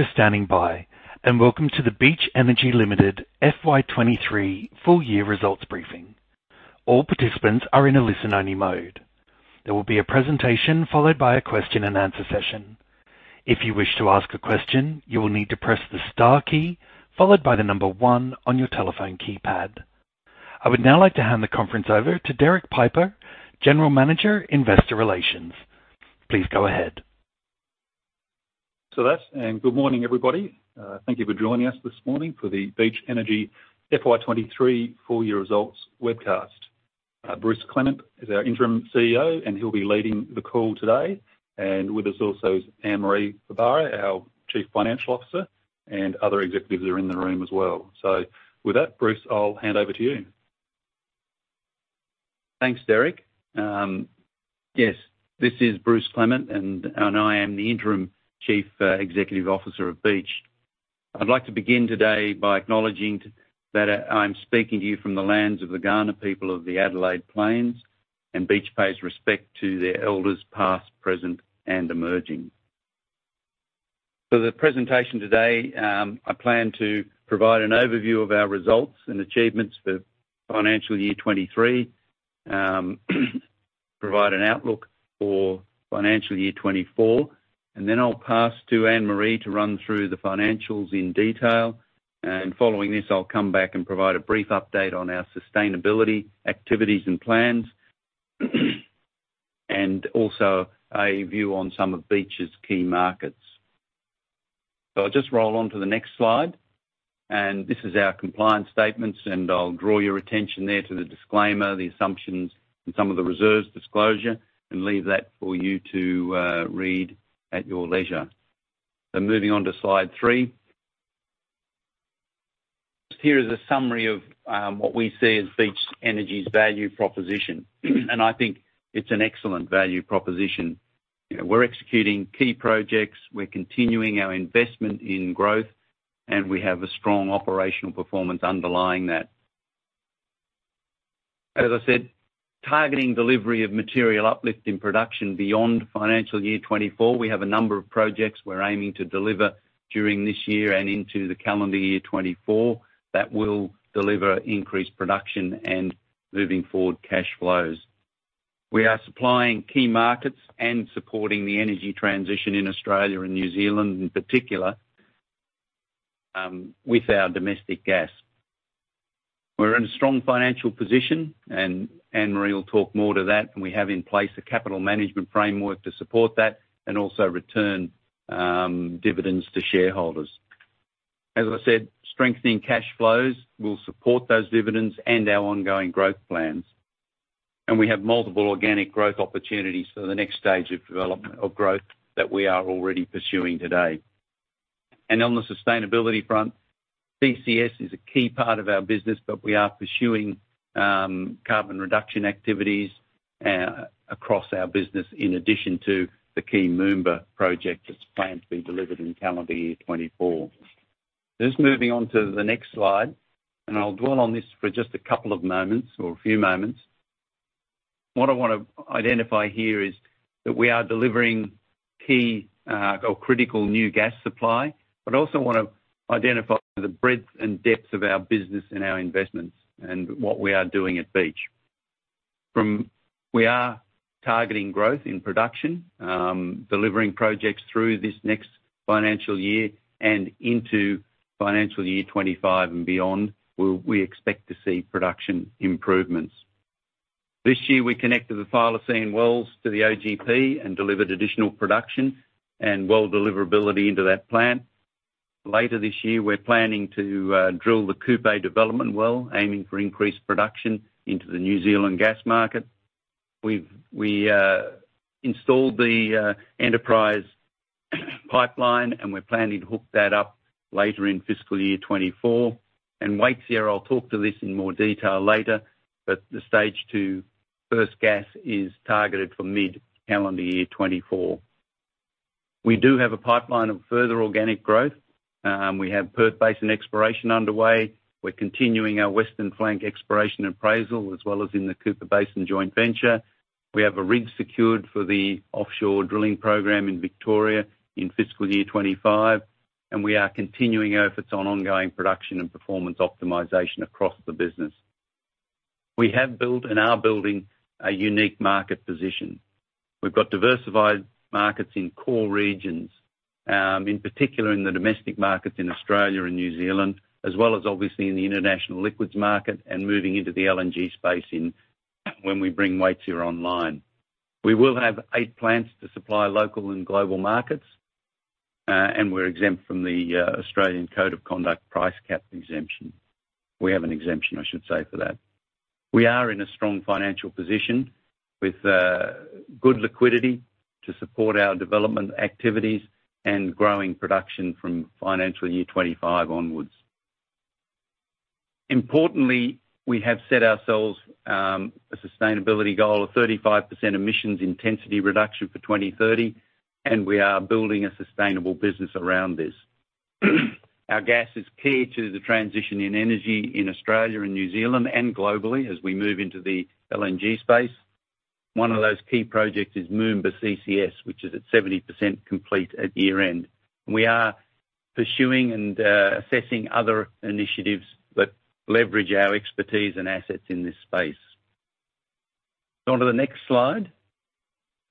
Thank you for standing by. Welcome to the Beach Energy Limited FY 2023 full year results briefing. All participants are in a listen-only mode. There will be a presentation, followed by a question and answer session. If you wish to ask a question, you will need to press the star key, followed by 1 on your telephone keypad. I would now like to hand the conference over to Derek Piper, General Manager, Investor Relations. Please go ahead. That, good morning, everybody. Thank you for joining us this morning for the Beach Energy FY 2023 full year results webcast. Bruce Clement is our interim CEO, and he'll be leading the call today. With us also is Anne-Marie Barbaro, our Chief Financial Officer, and other executives are in the room as well. With that, Bruce, I'll hand over to you. Thanks, Derek. Yes, this is Bruce Clement, I am the Interim Chief Executive Officer of Beach. I'd like to begin today by acknowledging that I'm speaking to you from the lands of the Kaurna people of the Adelaide Plains, Beach pays respect to their elders, past, present, and emerging. For the presentation today, I plan to provide an overview of our results and achievements for FY 2023, provide an outlook for FY 2024, and then I'll pass to Anne Marie to run through the financials in detail. Following this, I'll come back and provide a brief update on our sustainability activities and plans, and also a view on some of Beach's key markets. I'll just roll on to the next slide. This is our compliance statements. I'll draw your attention there to the disclaimer, the assumptions, some of the reserves disclosure, and leave that for you to read at your leisure. Moving on to slide three. Here is a summary of what we see as Beach Energy's value proposition. I think it's an excellent value proposition. You know, we're executing key projects, we're continuing our investment in growth, we have a strong operational performance underlying that. As I said, targeting delivery of material uplift in production beyond financial year 2024, we have a number of projects we're aiming to deliver during this year and into the calendar year 2024, that will deliver increased production and moving forward cash flows. We are supplying key markets and supporting the energy transition in Australia and New Zealand, in particular, with our domestic gas. We're in a strong financial position, and Anne-Marie Barbaro will talk more to that, and we have in place a capital management framework to support that, and also return dividends to shareholders. As I said, strengthening cash flows will support those dividends and our ongoing growth plans. We have multiple organic growth opportunities for the next stage of development or growth that we are already pursuing today. On the sustainability front, CCS is a key part of our business, but we are pursuing carbon reduction activities across our business, in addition to the key Moomba CCS project that's planned to be delivered in calendar year 2024. Just moving on to the next slide, and I'll dwell on this for just a couple of moments or a few moments. What I wanna identify here is that we are delivering key or critical new gas supply, but also wanna identify the breadth and depth of our business and our investments, and what we are doing at Beach. We are targeting growth in production, delivering projects through this next financial year and into financial year 25 and beyond, where we expect to see production improvements. This year, we connected the Thylacine wells to the OGP and delivered additional production and well deliverability into that plant. Later this year, we're planning to drill the Kupe development well, aiming for increased production into the New Zealand gas market. We installed the Enterprise pipeline, and we're planning to hook that up later in FY 2024. Waitsia, I'll talk to this in more detail later, but the Stage 2 first gas is targeted for mid-calendar year 2024. We do have a pipeline of further organic growth. We have Perth Basin exploration underway. We're continuing our western flank exploration appraisal, as well as in the Cooper Basin joint venture. We have a rig secured for the offshore drilling program in Victoria in FY 2025, and we are continuing our efforts on ongoing production and performance optimization across the business. We have built and are building a unique market position. We've got diversified markets in core regions, in particular in the domestic markets in Australia and New Zealand, as well as obviously in the international liquids market and moving into the LNG space in, when we bring Waitsia online. We will have eight plants to supply local and global markets, and we're exempt from the Australian Code of Conduct Price Cap Exemption. We have an exemption, I should say, for that. We are in a strong financial position with good liquidity to support our development activities and growing production from financial year 25 onwards. Importantly, we have set ourselves a sustainability goal of 35% emissions intensity reduction for 2030, and we are building a sustainable business around this. Our gas is key to the transition in energy in Australia and New Zealand, and globally as we move into the LNG space.... One of those key projects is Moomba CCS, which is at 70% complete at year-end. We are pursuing and assessing other initiatives that leverage our expertise and assets in this space. On to the next slide,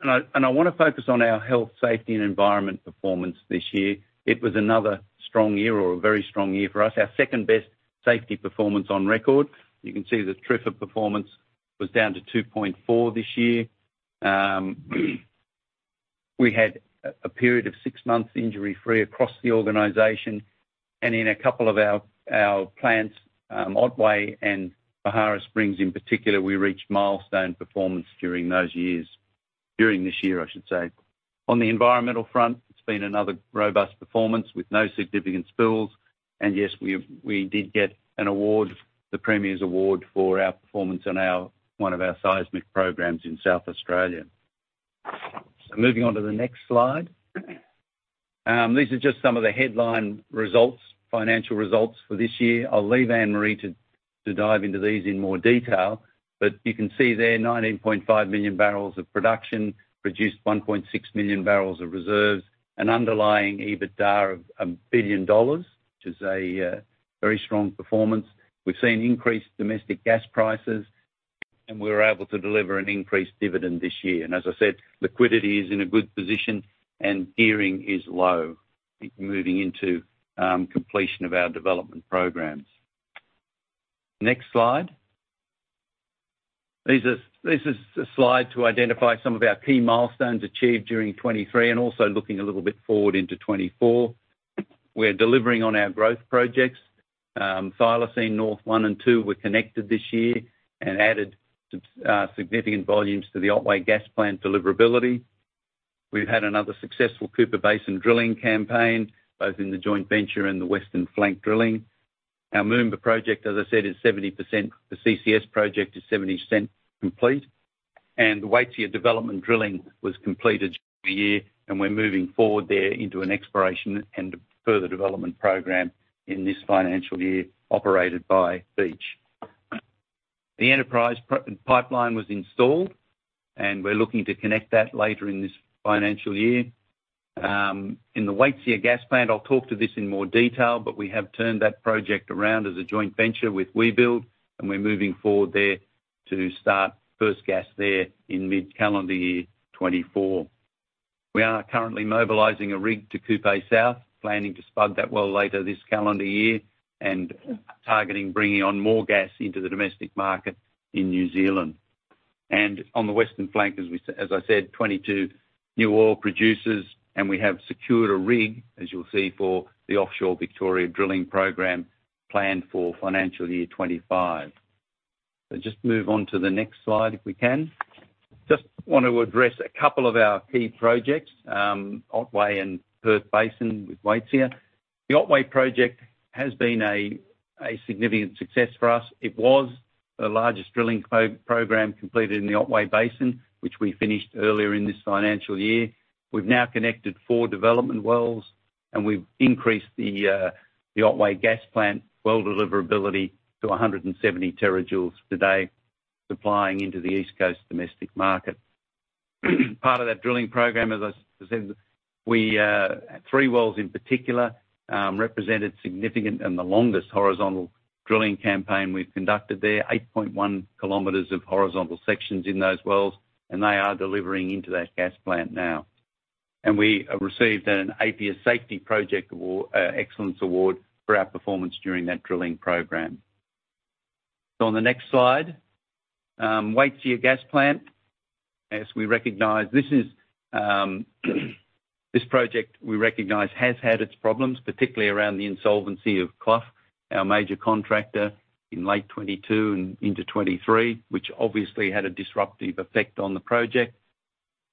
and I, and I wanna focus on our health, safety, and environment performance this year. It was another strong year or a very strong year for us, our second-best safety performance on record. You can see the TRIFR performance was down to 2.4 this year. We had a period of six months injury-free across the organization and in a couple of our plants, Otway and Beharra Springs in particular, we reached milestone performance during those years. During this year, I should say. On the environmental front, it's been another robust performance with no significant spills. Yes, we did get an award, the Premier's Award, for our performance on one of our seismic programs in South Australia. These are just some of the headline results, financial results for this year. I'll leave Anne-Marie to dive into these in more detail, but you can see there, 19.5 million barrels of production, produced 1.6 million barrels of reserves, an underlying EBITDA of 1 billion dollars, which is a very strong performance. We've seen increased domestic gas prices, we're able to deliver an increased dividend this year. As I said, liquidity is in a good position and gearing is low, moving into completion of our development programs. Next slide. This is a slide to identify some of our key milestones achieved during 2023. Also looking a little bit forward into 2024. We're delivering on our growth projects. Thylacine North one and two were connected this year and added s- significant volumes to the Otway Gas Plant deliverability. We've had another successful Cooper Basin drilling campaign, both in the joint venture and the Western Flank drilling. Our Moomba project, as I said, is 70%. The CCS project is 70% complete. The Waitsia development drilling was completed during the year. We're moving forward there into an exploration and further development program in this financial year, operated by Beach. The Enterprise pipeline was installed. We're looking to connect that later in this financial year. In the Waitsia gas plant, I'll talk to this in more detail, but we have turned that project around as a joint venture with Webuild, and we're moving forward there to start first gas there in mid-calendar year 2024. We are currently mobilizing a rig to Kupe South, planning to spud that well later this calendar year and targeting bringing on more gas into the domestic market in New Zealand. On the Western Flank, as we, as I said, 22 new oil producers, and we have secured a rig, as you'll see, for the offshore Victoria Drilling Program planned for financial year 2025. Just move on to the next slide, if we can. Just want to address a couple of our key projects, Otway and Perth Basin with Waitsia. The Otway project has been a, a significant success for us. It was the largest drilling program completed in the Otway Basin, which we finished earlier in this financial year. We've now connected four development wells, and we've increased the Otway Gas Plant well deliverability to 170 TJ/day, supplying into the East Coast domestic market. Part of that drilling program, as I said, we, three wells in particular, represented significant and the longest horizontal drilling campaign we've conducted there, 8.1 kilometers of horizontal sections in those wells, and they are delivering into that gas plant now. We have received an API Safety Project Excellence Award for our performance during that drilling program. On the next slide, Waitsia Gas Plant. As we recognize, this is, this project, we recognize, has had its problems, particularly around the insolvency of Clough, our major contractor, in late 2022 and into 2023, which obviously had a disruptive effect on the project.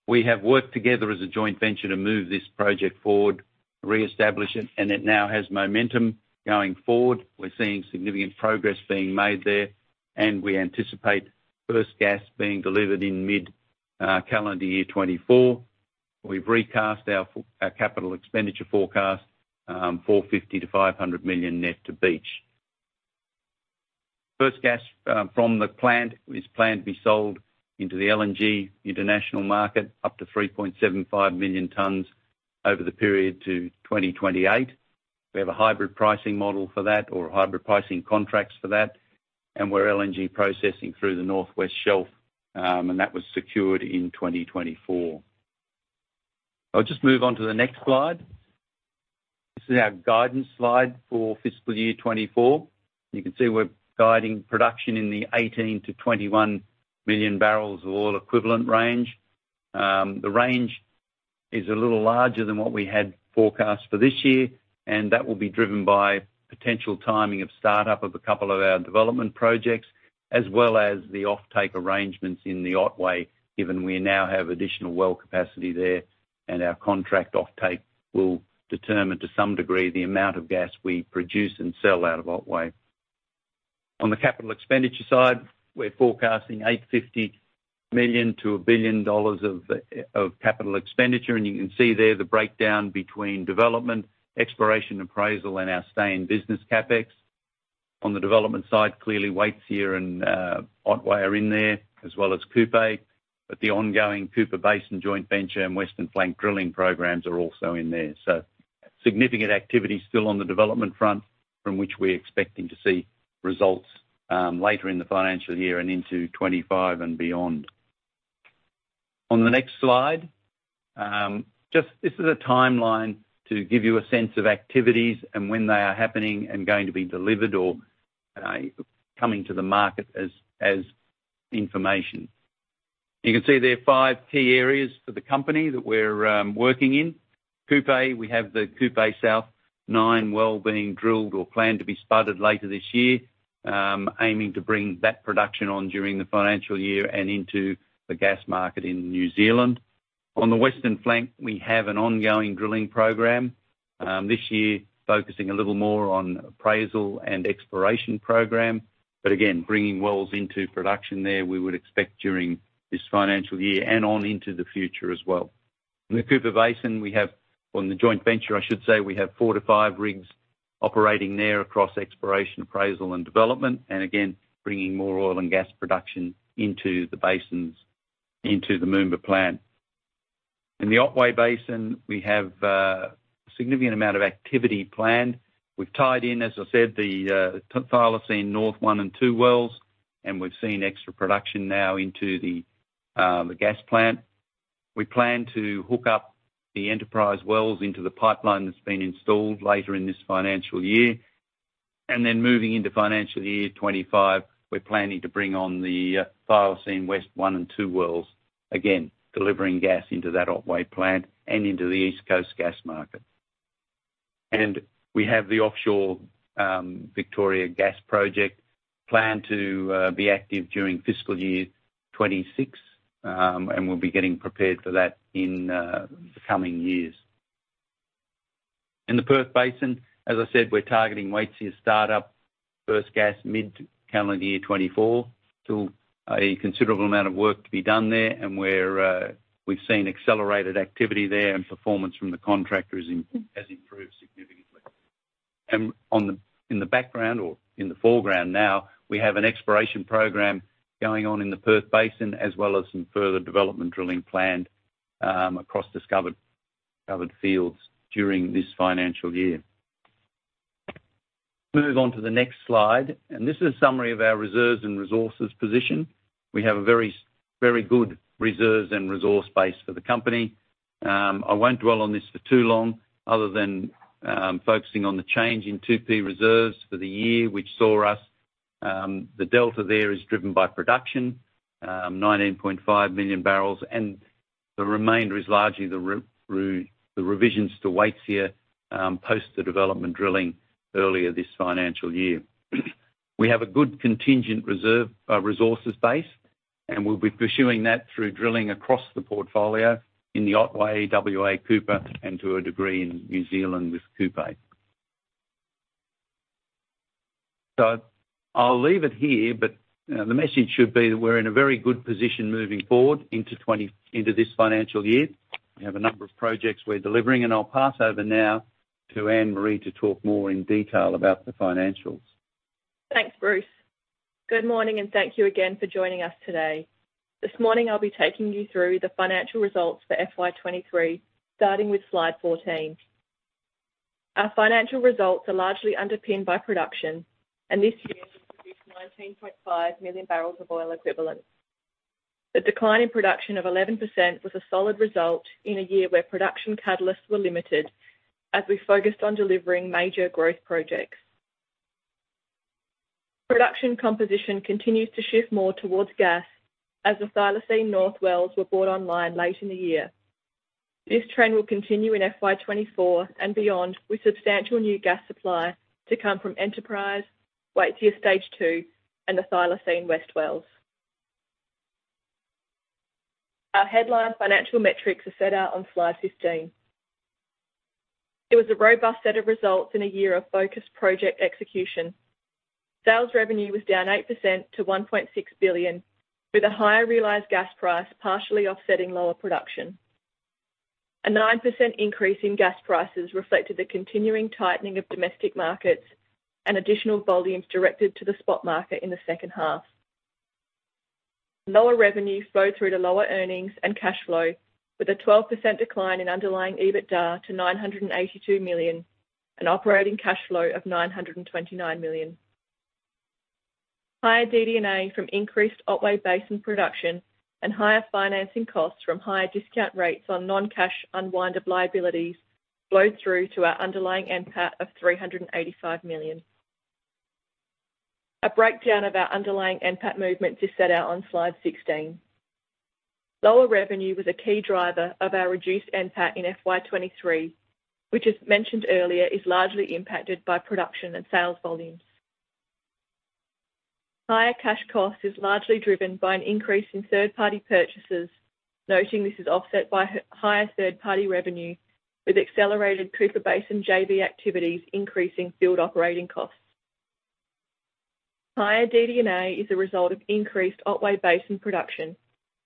We have worked together as a joint venture to move this project forward, reestablish it, and it now has momentum going forward. We're seeing significant progress being made there, and we anticipate first gas being delivered in mid-calendar year 2024. We've recast our f- our capital expenditure forecast, 450 million-500 million net to Beach. First gas from the plant is planned to be sold into the LNG international market, up to 3.75 million tons over the period to 2028. We have a hybrid pricing model for that, or hybrid pricing contracts for that, we're LNG processing through the North West Shelf, that was secured in 2024. I'll just move on to the next slide. This is our guidance slide for fiscal year 2024. You can see we're guiding production in the 18-21 MMboe range. The range is a little larger than what we had forecast for this year, that will be driven by potential timing of start-up of a couple of our development projects, as well as the offtake arrangements in the Otway, given we now have additional well capacity there, and our contract offtake will determine, to some degree, the amount of gas we produce and sell out of Otway. On the capital expenditure side, we're forecasting 850 million-1 billion dollars of capital expenditure, and you can see there the breakdown between development, exploration, appraisal, and our stay-in business CapEx. On the development side, clearly, Waitsia and Otway are in there, as well as Kupe, but the ongoing Cooper Basin joint venture and Western Flank drilling programs are also in there. Significant activity still on the development front, from which we're expecting to see results later in the financial year and into 2025 and beyond. On the next slide, just this is a timeline to give you a sense of activities and when they are happening and going to be delivered or coming to the market as, as information. You can see there are five key areas for the company that we're working in. Kupe, we have the Kupe South-9 well being drilled or planned to be spudded later this year. Aiming to bring that production on during the financial year and into the gas market in New Zealand. On the Western Flank, we have an ongoing drilling program, this year focusing a little more on appraisal and exploration program. Again, bringing wells into production there, we would expect during this financial year and on into the future as well. In the Cooper Basin, on the joint venture, I should say, we have four to five rigs operating there across exploration, appraisal, and development, and again, bringing more oil and gas production into the basins, into the Moomba plant. In the Otway Basin, we have a significant amount of activity planned. We've tied in, as I said, the Thylacine North one and two wells, and we've seen extra production now into the gas plant. We plan to hook up the Enterprise wells into the pipeline that's been installed later in this financial year. Moving into financial year 2025, we're planning to bring on the Thylacine West one and two wells, again, delivering gas into that Otway plant and into the East Coast gas market. We have the offshore Victoria Gas Project planned to be active during fiscal year 2026. We'll be getting prepared for that in the coming years. In the Perth Basin, as I said, we're targeting Waitsia startup, first gas mid-calendar year 2024. Still a considerable amount of work to be done there, we've seen accelerated activity there, performance from the contractors has improved significantly. On the, in the background or in the foreground now, we have an exploration program going on in the Perth Basin, as well as some further development drilling planned across discovered, discovered fields during this financial year. Move on to the next slide, this is a summary of our reserves and resources position. We have a very good reserves and resource base for the company. I won't dwell on this for too long, other than focusing on the change in 2P reserves for the year, which saw us. The delta there is driven by production, 19.5 million barrels, and the remainder is largely the re- re- the revisions to Waitsia post the development drilling earlier this financial year. We have a good contingent resources base, and we'll be pursuing that through drilling across the portfolio in the Otway, WA Cooper, and to a degree, in New Zealand with Kupe. I'll leave it here, but the message should be that we're in a very good position moving forward into this financial year. We have a number of projects we're delivering, and I'll pass over now to Anne-Marie to talk more in detail about the financials. Thanks, Bruce. Good morning, and thank you again for joining us today. This morning, I'll be taking you through the financial results for FY 2023, starting with Slide 14. Our financial results are largely underpinned by production, and this year we produced 19.5 MMboe. The decline in production of 11% was a solid result in a year where production catalysts were limited, as we focused on delivering major growth projects. Production composition continues to shift more towards gas, as the Thylacine North wells were brought online late in the year. This trend will continue in FY 2024 and beyond, with substantial new gas supply to come from Enterprise, Waitsia Stage 2, and the Thylacine West wells. Our headline financial metrics are set out on Slide 15. It was a robust set of results in a year of focused project execution. Sales revenue was down 8% to 1.6 billion, with a higher realized gas price, partially offsetting lower production. A 9% increase in gas prices reflected the continuing tightening of domestic markets and additional volumes directed to the spot market in the second half. Lower revenue flowed through to lower earnings and cash flow, with a 12% decline in underlying EBITDA to 982 million, and operating cash flow of 929 million. Higher DD&A from increased Otway Basin production and higher financing costs from higher discount rates on non-cash unwind of liabilities flowed through to our underlying NPAT of 385 million. A breakdown of our underlying NPAT movements is set out on Slide 16. Lower revenue was a key driver of our reduced NPAT in FY 2023, which, as mentioned earlier, is largely impacted by production and sales volumes. Higher cash costs is largely driven by an increase in third-party purchases, noting this is offset by higher third-party revenue, with accelerated Cooper Basin JV activities increasing field operating costs. Higher DD&A is a result of increased Otway Basin production,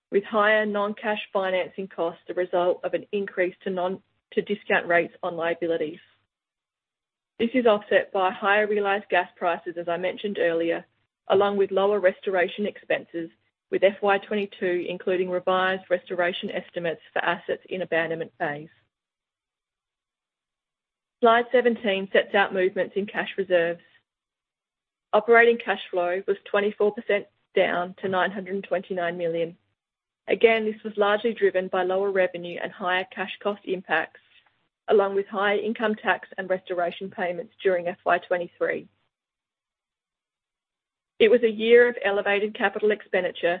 with higher non-cash financing costs, the result of an increase to discount rates on liabilities. This is offset by higher realized gas prices, as I mentioned earlier, along with lower restoration expenses, with FY 2022, including revised restoration estimates for assets in abandonment phase. Slide 17 sets out movements in cash reserves. Operating cash flow was 24% down to 929 million. This was largely driven by lower revenue and higher cash cost impacts, along with higher income tax and restoration payments during FY 2023. It was a year of elevated CapEx,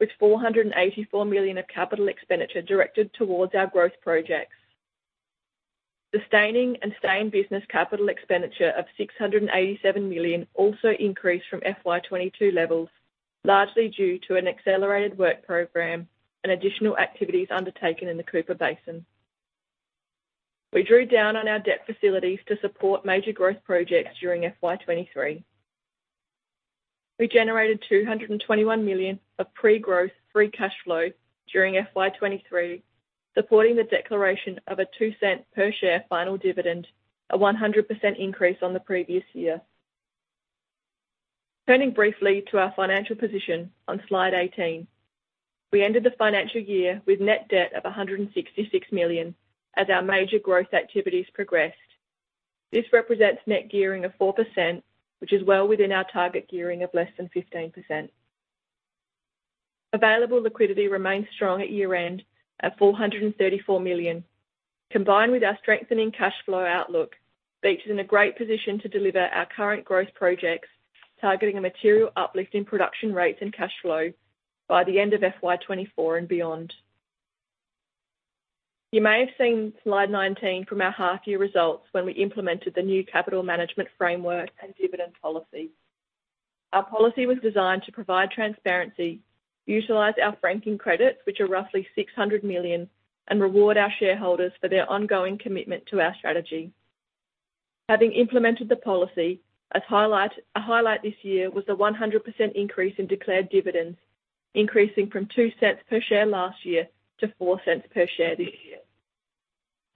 with 484 million of CapEx directed towards our growth projects. Sustaining and staying business CapEx of 687 million also increased from FY 2022 levels, largely due to an accelerated work program and additional activities undertaken in the Cooper Basin. We drew down on our debt facilities to support major growth projects during FY 2023. We generated 221 million of pre-growth, free cash flow during FY 2023, supporting the declaration of a 0.02 per share final dividend, a 100% increase on the previous year. Turning briefly to our financial position on Slide 18. We ended the financial year with net debt of 166 million as our major growth activities progressed. This represents net gearing of 4%, which is well within our target gearing of less than 15%. Available liquidity remains strong at year-end, at 434 million. Combined with our strengthening cash flow outlook, Beach is in a great position to deliver our current growth projects, targeting a material uplift in production rates and cash flow by the end of FY 2024 and beyond. You may have seen Slide 19 from our half-year results when we implemented the new capital management framework and dividend policy. Our policy was designed to provide transparency, utilize our franking credits, which are roughly 600 million, and reward our shareholders for their ongoing commitment to our strategy. Having implemented the policy, as a highlight this year was a 100% increase in declared dividends, increasing from 0.02 per share last year to 0.04 per share this year.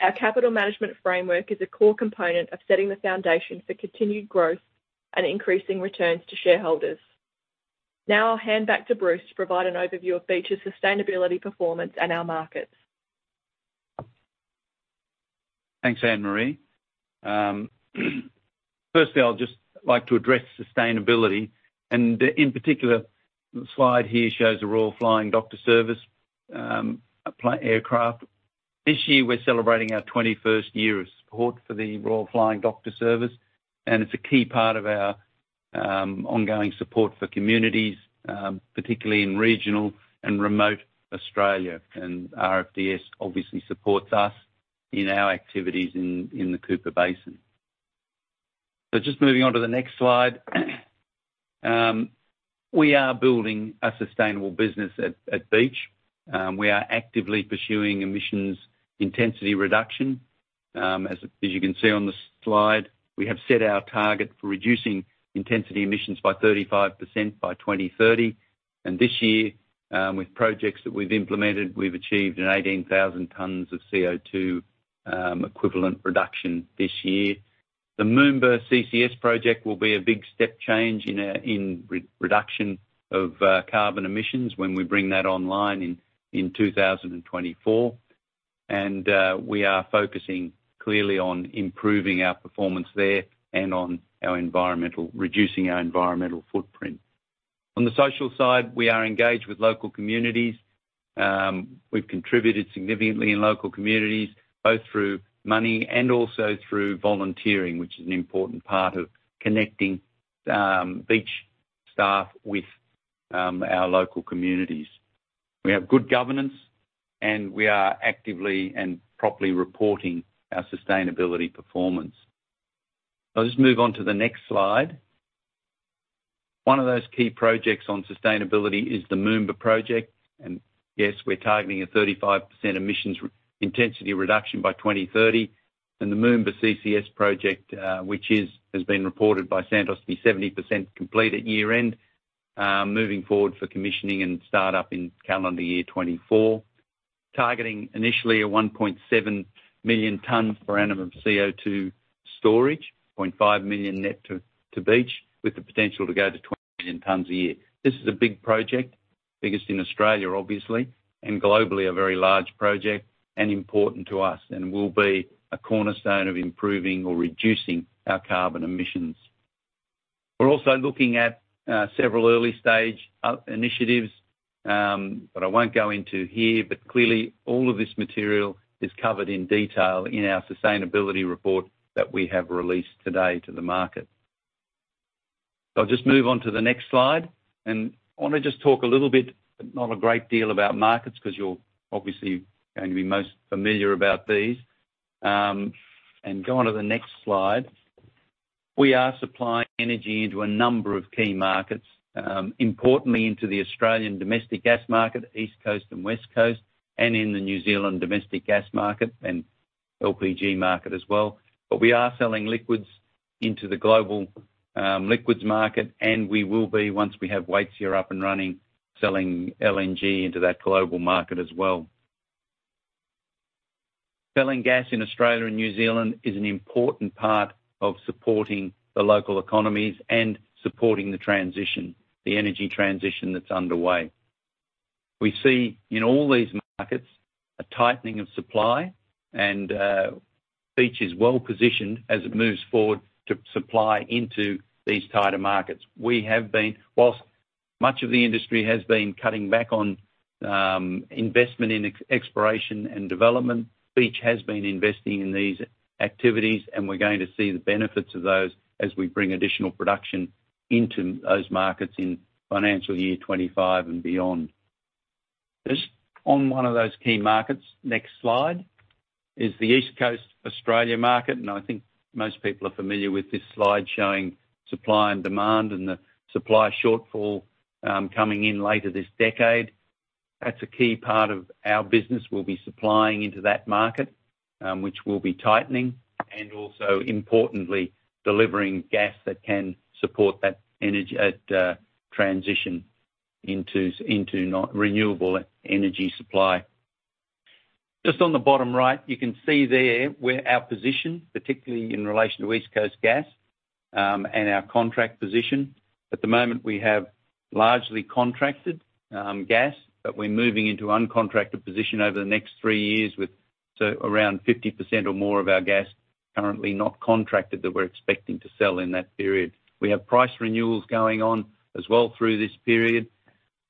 Our capital management framework is a core component of setting the foundation for continued growth and increasing returns to shareholders. Now, I'll hand back to Bruce to provide an overview of Beach's sustainability, performance, and our markets. Thanks, Anne Marie. Firstly, I would just like to address sustainability, in particular, the slide here shows the Royal Flying Doctor Service, a pla-- aircraft. This year, we're celebrating our 21st year of support for the Royal Flying Doctor Service, it's a key part of our ongoing support for communities, particularly in regional and remote Australia. RFDS obviously supports us in our activities in, in the Cooper Basin. Just moving on to the next slide. We are building a sustainable business at, at Beach. We are actively pursuing emissions intensity reduction. As, as you can see on the slide, we have set our target for reducing intensity emissions by 35% by 2030. This year, with projects that we've implemented, we've achieved an 18,000 tons of CO2 equivalent reduction this year. The Moomba CCS project will be a big step change in reduction of carbon emissions when we bring that online in 2024. We are focusing clearly on improving our performance there and on our environmental reducing our environmental footprint. On the social side, we are engaged with local communities. We've contributed significantly in local communities, both through money and also through volunteering, which is an important part of connecting Beach staff with our local communities. We have good governance, and we are actively and properly reporting our sustainability performance. I'll just move on to the next slide. One of those key projects on sustainability is the Moomba project, and yes, we're targeting a 35% emissions intensity reduction by 2030. The Moomba CCS project, which is, has been reported by Santos, be 70% complete at year-end, moving forward for commissioning and startup in calendar year 2024, targeting initially a 1.7 Mtpa of CO2 storage, 0.5 million net to Beach, with the potential to go to 20 million tons a year. This is a big project, biggest in Australia, obviously, and globally, a very large project and important to us, and will be a cornerstone of improving or reducing our carbon emissions. We're also looking at several early-stage initiatives, but I won't go into here, but clearly all of this material is covered in detail in our sustainability report that we have released today to the market. I'll just move on to the next slide, and I wanna just talk a little bit, not a great deal, about markets, 'cause you're obviously going to be most familiar about these. Go on to the next slide. We are supplying energy into a number of key markets, importantly, into the Australian domestic gas market, East Coast and West Coast, in the New Zealand domestic gas market, and LPG market as well. We are selling liquids into the global liquids market, and we will be, once we have Waitsia up and running, selling LNG into that global market as well. Selling gas in Australia and New Zealand is an important part of supporting the local economies and supporting the transition, the energy transition that's underway. We see in all these markets a tightening of supply, and Beach is well positioned as it moves forward to supply into these tighter markets. Whilst much of the industry has been cutting back on investment in exploration and development, Beach has been investing in these activities, and we're going to see the benefits of those as we bring additional production into those markets in financial year 2025 and beyond. Just on one of those key markets, next slide, is the East Coast Australia market, and I think most people are familiar with this slide showing supply and demand and the supply shortfall coming in later this decade. That's a key part of our business. We'll be supplying into that market, which will be tightening, and also importantly, delivering gas that can support that energy transition into not renewable energy supply. Just on the bottom right, you can see there where our position, particularly in relation to West Coast gas, and our contract position. At the moment, we have largely contracted gas, but we're moving into uncontracted position over the next three years, with around 50% or more of our gas currently not contracted that we're expecting to sell in that period. We have price renewals going on as well through this period,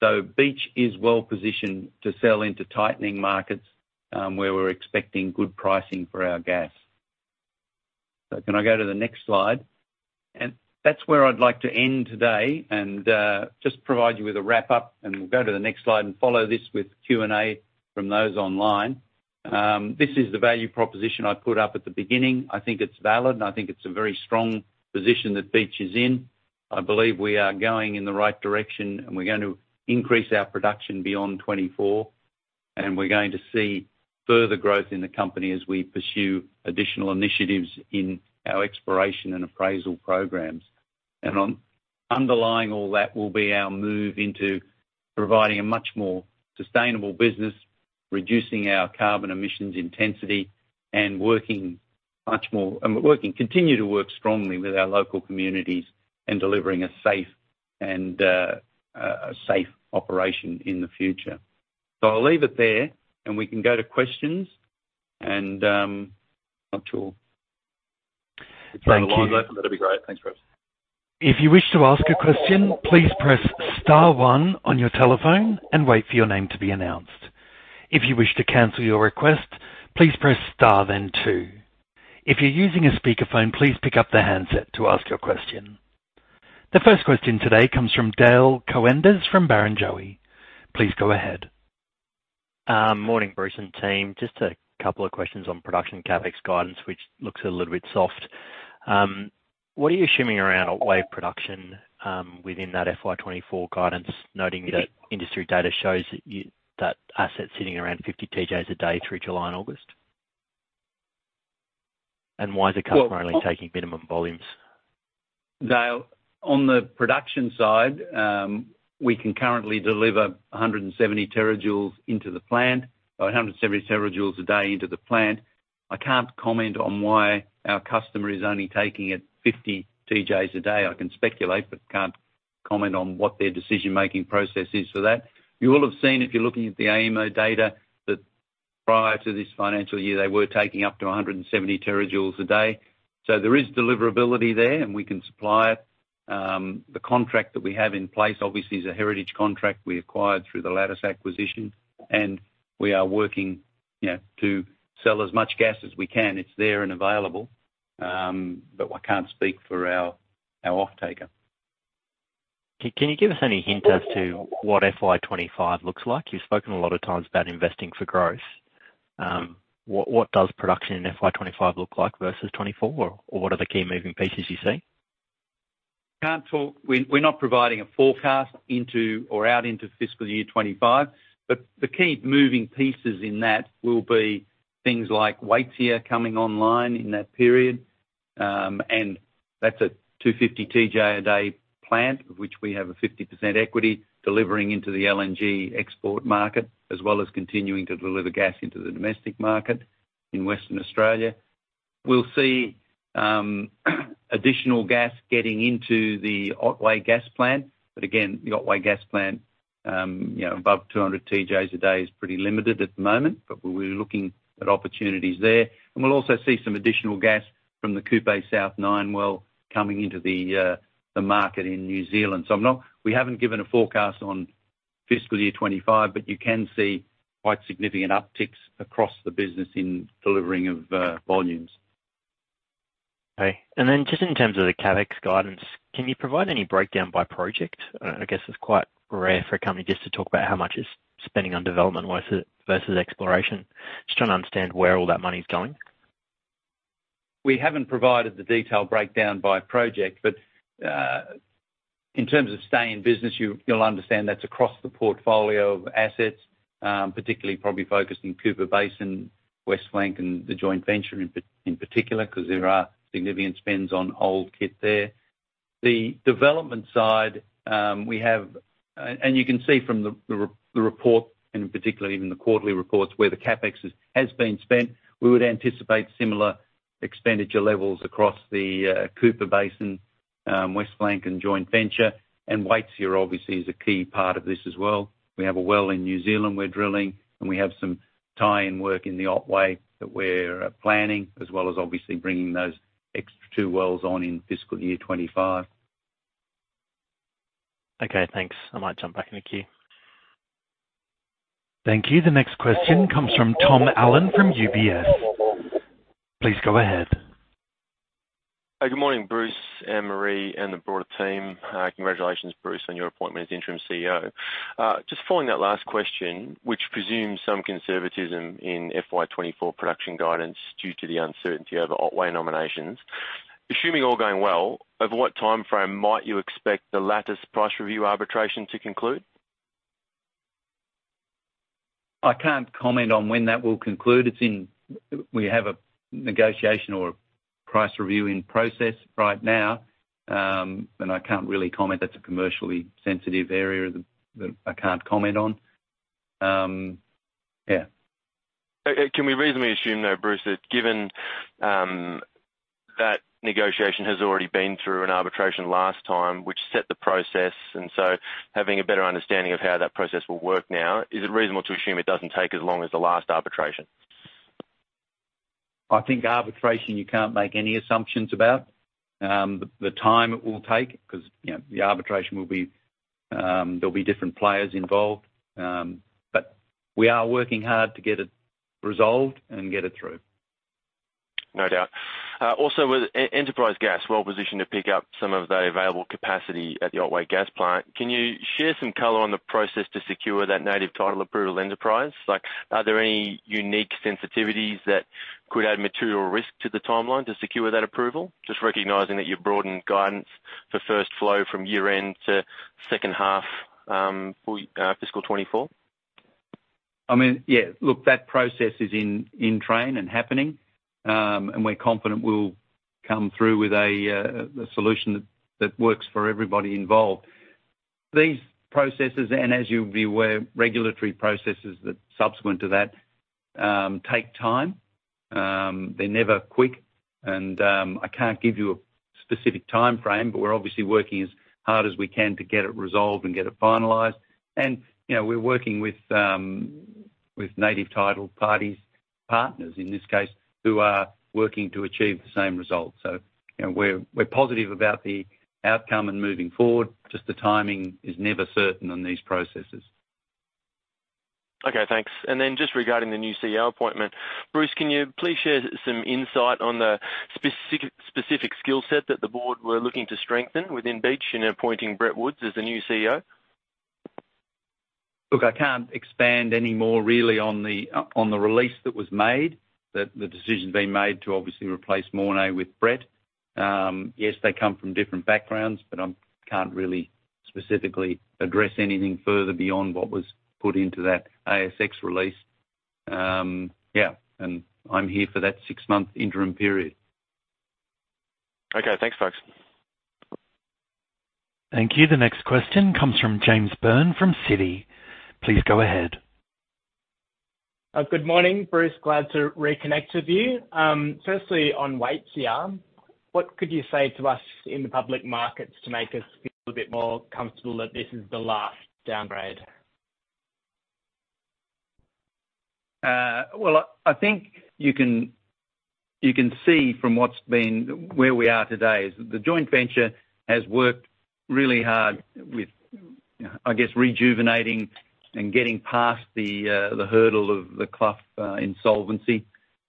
so Beach is well positioned to sell into tightening markets, where we're expecting good pricing for our gas. Can I go to the next slide? That's where I'd like to end today and just provide you with a wrap-up, and we'll go to the next slide and follow this with Q&A from those online. This is the value proposition I put up at the beginning. I think it's valid, and I think it's a very strong position that Beach is in. I believe we are going in the right direction, and we're going to increase our production beyond 2024, and we're going to see further growth in the company as we pursue additional initiatives in our exploration and appraisal programs. Underlying all that will be our move into providing a much more sustainable business, reducing our carbon emissions intensity, and working much more... working, continue to work strongly with our local communities and delivering a safe and a safe operation in the future. I'll leave it there, and we can go to questions, and, I'm not sure. Thank you. That'd be great. Thanks, Bruce. If you wish to ask a question, please press Star One on your telephone and wait for your name to be announced. If you wish to cancel your request, please press Star, then Two. If you're using a speakerphone, please pick up the handset to ask your question. The first question today comes from Dale Koenders from Barrenjoey. Please go ahead. Morning, Bruce and team. Just a couple of questions on production CapEx guidance, which looks a little bit soft. What are you assuming around Otway production within that FY 2024 guidance, noting that industry data shows that asset sitting around 50 TJ/day through July and August? Why is the customer only taking minimum volumes? Dale, on the production side, we can currently deliver 170 terajoules into the plant, or 170 terajoules a day into the plant. I can't comment on why our customer is only taking it 50 TJ/day. I can speculate, but can't comment on what their decision-making process is for that. You will have seen, if you're looking at the AEMO data, that prior to this financial year, they were taking up to 170 terajoules a day. There is deliverability there, and we can supply it. The contract that we have in place, obviously, is a heritage contract we acquired through the Lattice acquisition, and we are working, you know, to sell as much gas as we can. It's there and available, but I can't speak for our, our off-taker. Can you give us any hint as to what FY 2025 looks like? You've spoken a lot of times about investing for growth. What does production in FY 2025 look like versus 2024, or what are the key moving pieces you see? Can't talk... We, we're not providing a forecast into or out into FY 2025, but the key moving pieces in that will be things like Waitsia coming online in that period, and that's a 250 TJ/day plant, which we have a 50% equity delivering into the LNG export market, as well as continuing to deliver gas into the domestic market in Western Australia. We'll see additional gas getting into the Otway Gas Plant, but again, the Otway Gas Plant, you know, above 200 TJ/day is pretty limited at the moment, but we'll be looking at opportunities there. We'll also see some additional gas from the Kupe South nine well coming into the market in New Zealand. we haven't given a forecast on fiscal year 2025, but you can see quite significant upticks across the business in delivering of volumes. Then just in terms of the CapEx guidance, can you provide any breakdown by project? I guess it's quite rare for a company just to talk about how much it's spending on development versus, versus exploration. Just trying to understand where all that money is going. We haven't provided the detailed breakdown by project, in terms of stay in business, you'll understand that's across the portfolio of assets, particularly probably focused in Cooper Basin, West Flank, and the joint venture in particular, 'cause there are significant spends on old kit there. The development side, we have, and you can see from the report, and particularly even the quarterly reports, where the CapEx has been spent. We would anticipate similar expenditure levels across the Cooper Basin, West Flank and joint venture, and Waitsia obviously is a key part of this as well. We have a well in New Zealand we're drilling, and we have some tie-in work in the Otway that we're planning, as well as obviously bringing those extra two wells on in fiscal year 2025. Okay, thanks. I might jump back in the queue. Thank you. The next question comes from Tom Allen, from UBS. Please go ahead. Hi, good morning, Bruce and Marie and the broader team. Congratulations, Bruce, on your appointment as interim CEO. Just following that last question, which presumes some conservatism in FY 2024 production guidance due to the uncertainty over Otway nominations. Assuming all going well, over what timeframe might you expect the Lattice price review arbitration to conclude? I can't comment on when that will conclude. We have a negotiation or price review in process right now. I can't really comment. That's a commercially sensitive area that, that I can't comment on. Yeah. Can we reasonably assume, though, Bruce, that given that negotiation has already been through an arbitration last time, which set the process, and so having a better understanding of how that process will work now, is it reasonable to assume it doesn't take as long as the last arbitration? I think arbitration, you can't make any assumptions about the, the time it will take, 'cause, you know, the arbitration will be, there'll be different players involved, but we are working hard to get it resolved and get it through. No doubt. Also with Enterprise Gas, well positioned to pick up some of the available capacity at the Otway Gas Plant. Can you share some color on the process to secure that native title approval enterprise? Like, are there any unique sensitivities that could add material risk to the timeline to secure that approval? Just recognizing that you've broadened guidance for first flow from year-end to second half, fiscal 2024. I mean, yeah, look, that process is in, in train and happening. We're confident we'll come through with a solution that works for everybody involved. These processes, as you'll be aware, regulatory processes that subsequent to that, take time, they're never quick. I can't give you a specific timeframe, but we're obviously working as hard as we can to get it resolved and get it finalized. You know, we're working with native title parties, partners in this case, who are working to achieve the same results. You know, we're positive about the outcome and moving forward. Just the timing is never certain on these processes. Okay, thanks. Just regarding the new CEO appointment, Bruce, can you please share some insight on the specific skill set that the board were looking to strengthen within Beach in appointing Brett Woods as the new CEO? Look, I can't expand any more really on the on the release that was made, that the decision being made to obviously replace Morné with Brett. Yes, they come from different backgrounds, but I can't really specifically address anything further beyond what was put into that ASX release. I'm here for that six-month interim period. Okay. Thanks, Bruce. Thank you. The next question comes from James Byrne from Citi. Please go ahead. Good morning, Bruce. Glad to reconnect with you. Firstly, on Waitsia, what could you say to us in the public markets to make us feel a bit more comfortable that this is the last downgrade? Well, I, I think you can, you can see from what's been-- where we are today, is the joint venture has worked really hard with, I guess, rejuvenating and getting past the hurdle of the Clough insolvency.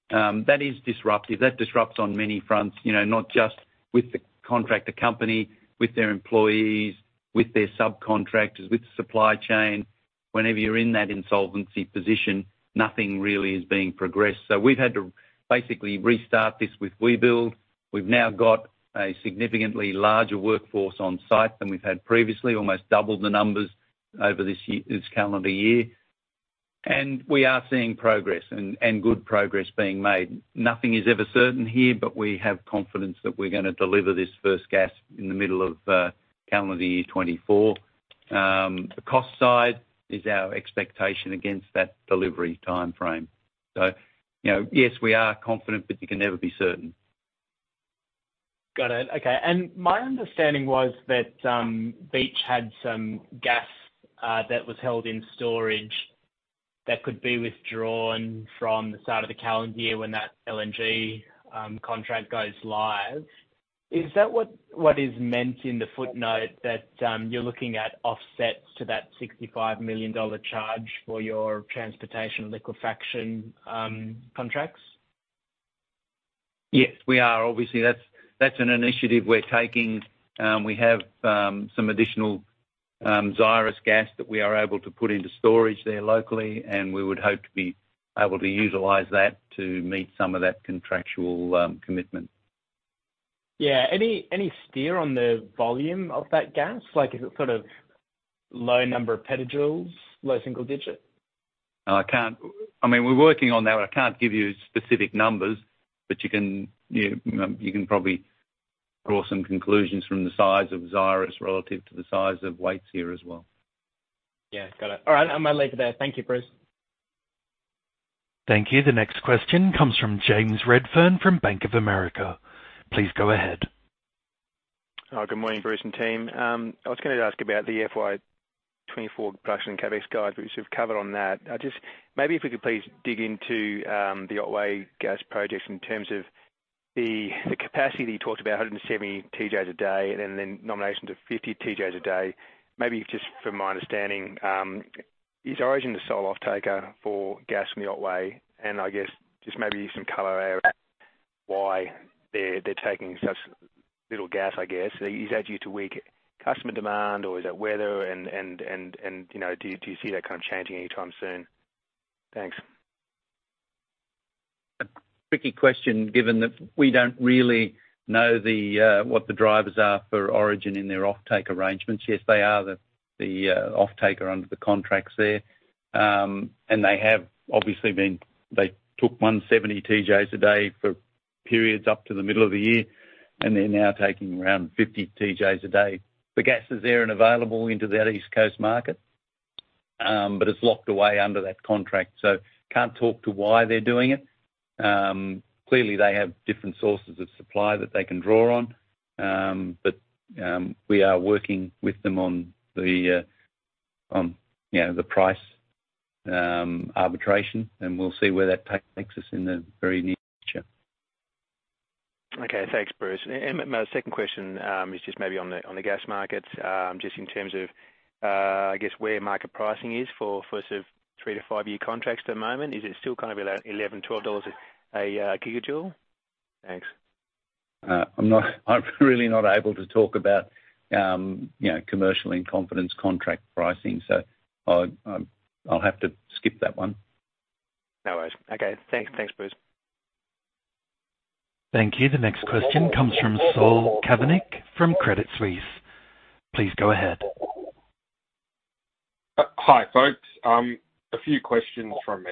That is disruptive. That disrupts on many fronts, you know, not just with the contractor company, with their employees, with their subcontractors, with the supply chain. Whenever you're in that insolvency position, nothing really is being progressed. We've had to basically restart this with Webuild. We've now got a significantly larger workforce on site than we've had previously, almost doubled the numbers over this year, this calendar year. We are seeing progress and, and good progress being made. Nothing is ever certain here, but we have confidence that we're gonna deliver this first gas in the middle of calendar year 2024. The cost side is our expectation against that delivery timeframe. You know, yes, we are confident, but you can never be certain. Got it. Okay. My understanding was that, Beach had some gas, that was held in storage that could be withdrawn from the start of the calendar year when that LNG, contract goes live. Is that what, what is meant in the footnote, that, you're looking at offsets to that 65 million dollar charge for your transportation liquefaction, contracts? Yes, we are. Obviously, that's, that's an initiative we're taking. We have some Xyris gas that we are able to put into storage there locally, we would hope to be able to utilize that to meet some of that contractual commitment. Yeah. Any, any steer on the volume of that gas? Like, is it sort of low number of petajoules, low single digit? I can't. I mean, we're working on that, but I can't give you specific numbers, but you can, you can probably draw some conclusions from the size of Xyris relative to the size of Waitsia as well. Yeah, got it. All right, I'm gonna leave it there. Thank you, Bruce. Thank you. The next question comes from James Redfern from Bank of America. Please go ahead. Good morning, Bruce and team. I was gonna ask about the FY 2024 production CapEx guide. You've sort of covered on that. Maybe if we could please dig into the Otway gas projects in terms of the capacity that you talked about, 170 TJ/day, and then nomination to 50 TJ/day. Maybe just from my understanding, is Origin the sole offtaker for gas in the Otway? I guess, just maybe some color around why they're taking such little gas, I guess. Is that due to weak customer demand, or is it weather and, you know, do you see that kind of changing anytime soon? Thanks. A tricky question, given that we don't really know what the drivers are for Origin in their offtake arrangements. Yes, they are the, the offtaker under the contracts there. They took 170 TJ/day for periods up to the middle of the year, and they're now taking around 50 TJ/day. The gas is there and available into that East Coast market. It's locked away under that contract. Can't talk to why they're doing it. Clearly, they have different sources of supply that they can draw on. We are working with them on the, on, you know, the price arbitration, and we'll see where that takes us in the very near future. Okay. Thanks, Bruce. And my second question is just maybe on the gas markets. Just in terms of, I guess, where market pricing is for first of three to five year contracts at the moment. Is it still kind of around 11-12 dollars a gigajoule? Thanks. I'm really not able to talk about, you know, commercial in confidence contract pricing, so I'll have to skip that one. No worries. Okay. Thanks. Thanks, Bruce. Thank you. The next question comes from Saul Kavonic from Credit Suisse. Please go ahead. Hi, folks. A few questions from me.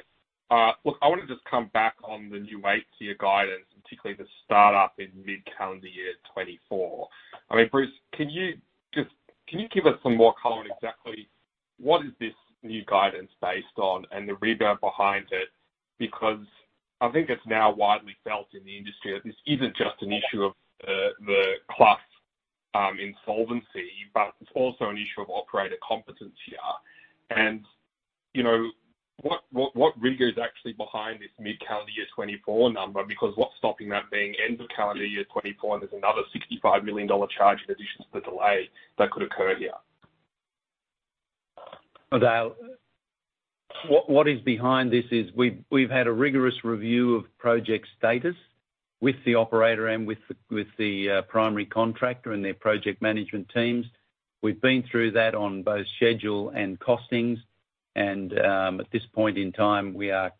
Look, I want to just come back on the new Waitsia guidance, particularly the startup in mid-calendar year 2024. I mean, Bruce, can you give us some more color on exactly what is this new guidance based on and the rebound behind it? Because I think it's now widely felt in the industry that this isn't just an issue of the Clough insolvency, but it's also an issue of operator competence here. You know, what, what, what rigor is actually behind this mid-calendar year 2024 number? Because what's stopping that being end of calendar year 2024, and there's another 65 million dollar charge in addition to the delay that could occur here? Well, what, what is behind this is we've, we've had a rigorous review of project status with the operator and with the, with the primary contractor and their project management teams. We've been through that on both schedule and costings. At this point in time, we are.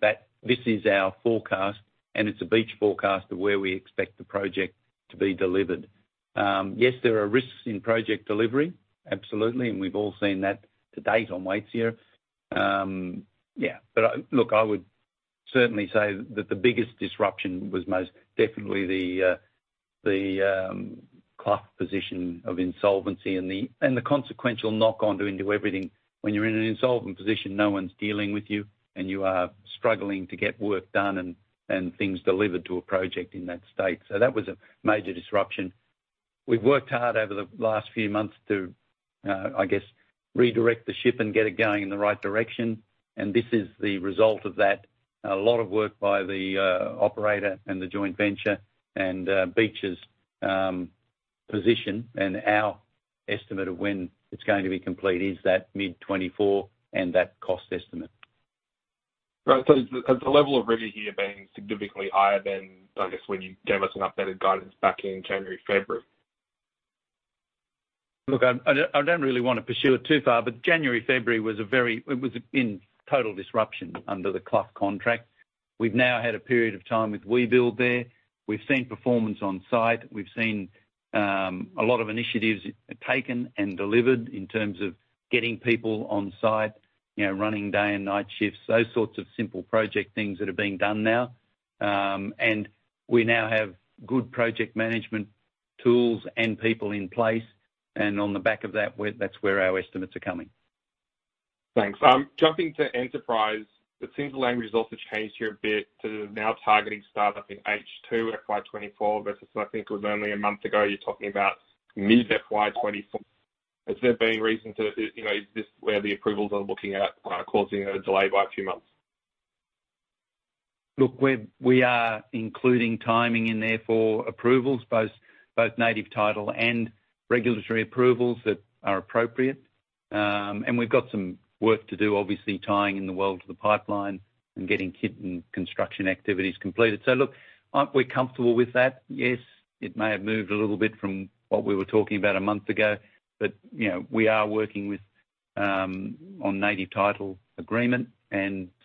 That this is our forecast, and it's a Beach forecast of where we expect the project to be delivered. Yes, there are risks in project delivery, absolutely, and we've all seen that to date on Waitsia. Yeah, but look, I would certainly say that the biggest disruption was most definitely the, the Clough position of insolvency and the, and the consequential knock-on doing to everything. When you're in an insolvent position, no one's dealing with you, and you are struggling to get work done and things delivered to a project in that state. That was a major disruption. We've worked hard over the last few months to, I guess, redirect the ship and get it going in the right direction, and this is the result of that. A lot of work by the operator and the joint venture and Beach's position, and our estimate of when it's going to be complete is that mid-2024 and that cost estimate. Right. The level of rigor here being significantly higher than, I guess, when you gave us an updated guidance back in January, February? Look, I don't really want to pursue it too far. January, February was a very- it was in total disruption under the Clough contract. We've now had a period of time with Webuild there. We've seen performance on site. We've seen a lot of initiatives taken and delivered in terms of getting people on site, you know, running day and night shifts, those sorts of simple project things that are being done now. We now have good project management tools and people in place, and on the back of that, where- that's where our estimates are coming. Thanks. Jumping to Waitsia Stage 2, it seems the language has also changed here a bit to now targeting startup in H2 FY 2024 versus, I think it was only a month ago, you're talking about mid-FY 2024. Has there been reason to, you know, is this where the approvals are looking at, causing a delay by a few months? Look, we are including timing in there for approvals, both, both native title and regulatory approvals that are appropriate. We've got some work to do, obviously, tying in the world to the pipeline and getting kit and construction activities completed. Look, aren't we comfortable with that? Yes, it may have moved a little bit from what we were talking about a month ago, you know, we are working with on native title agreement,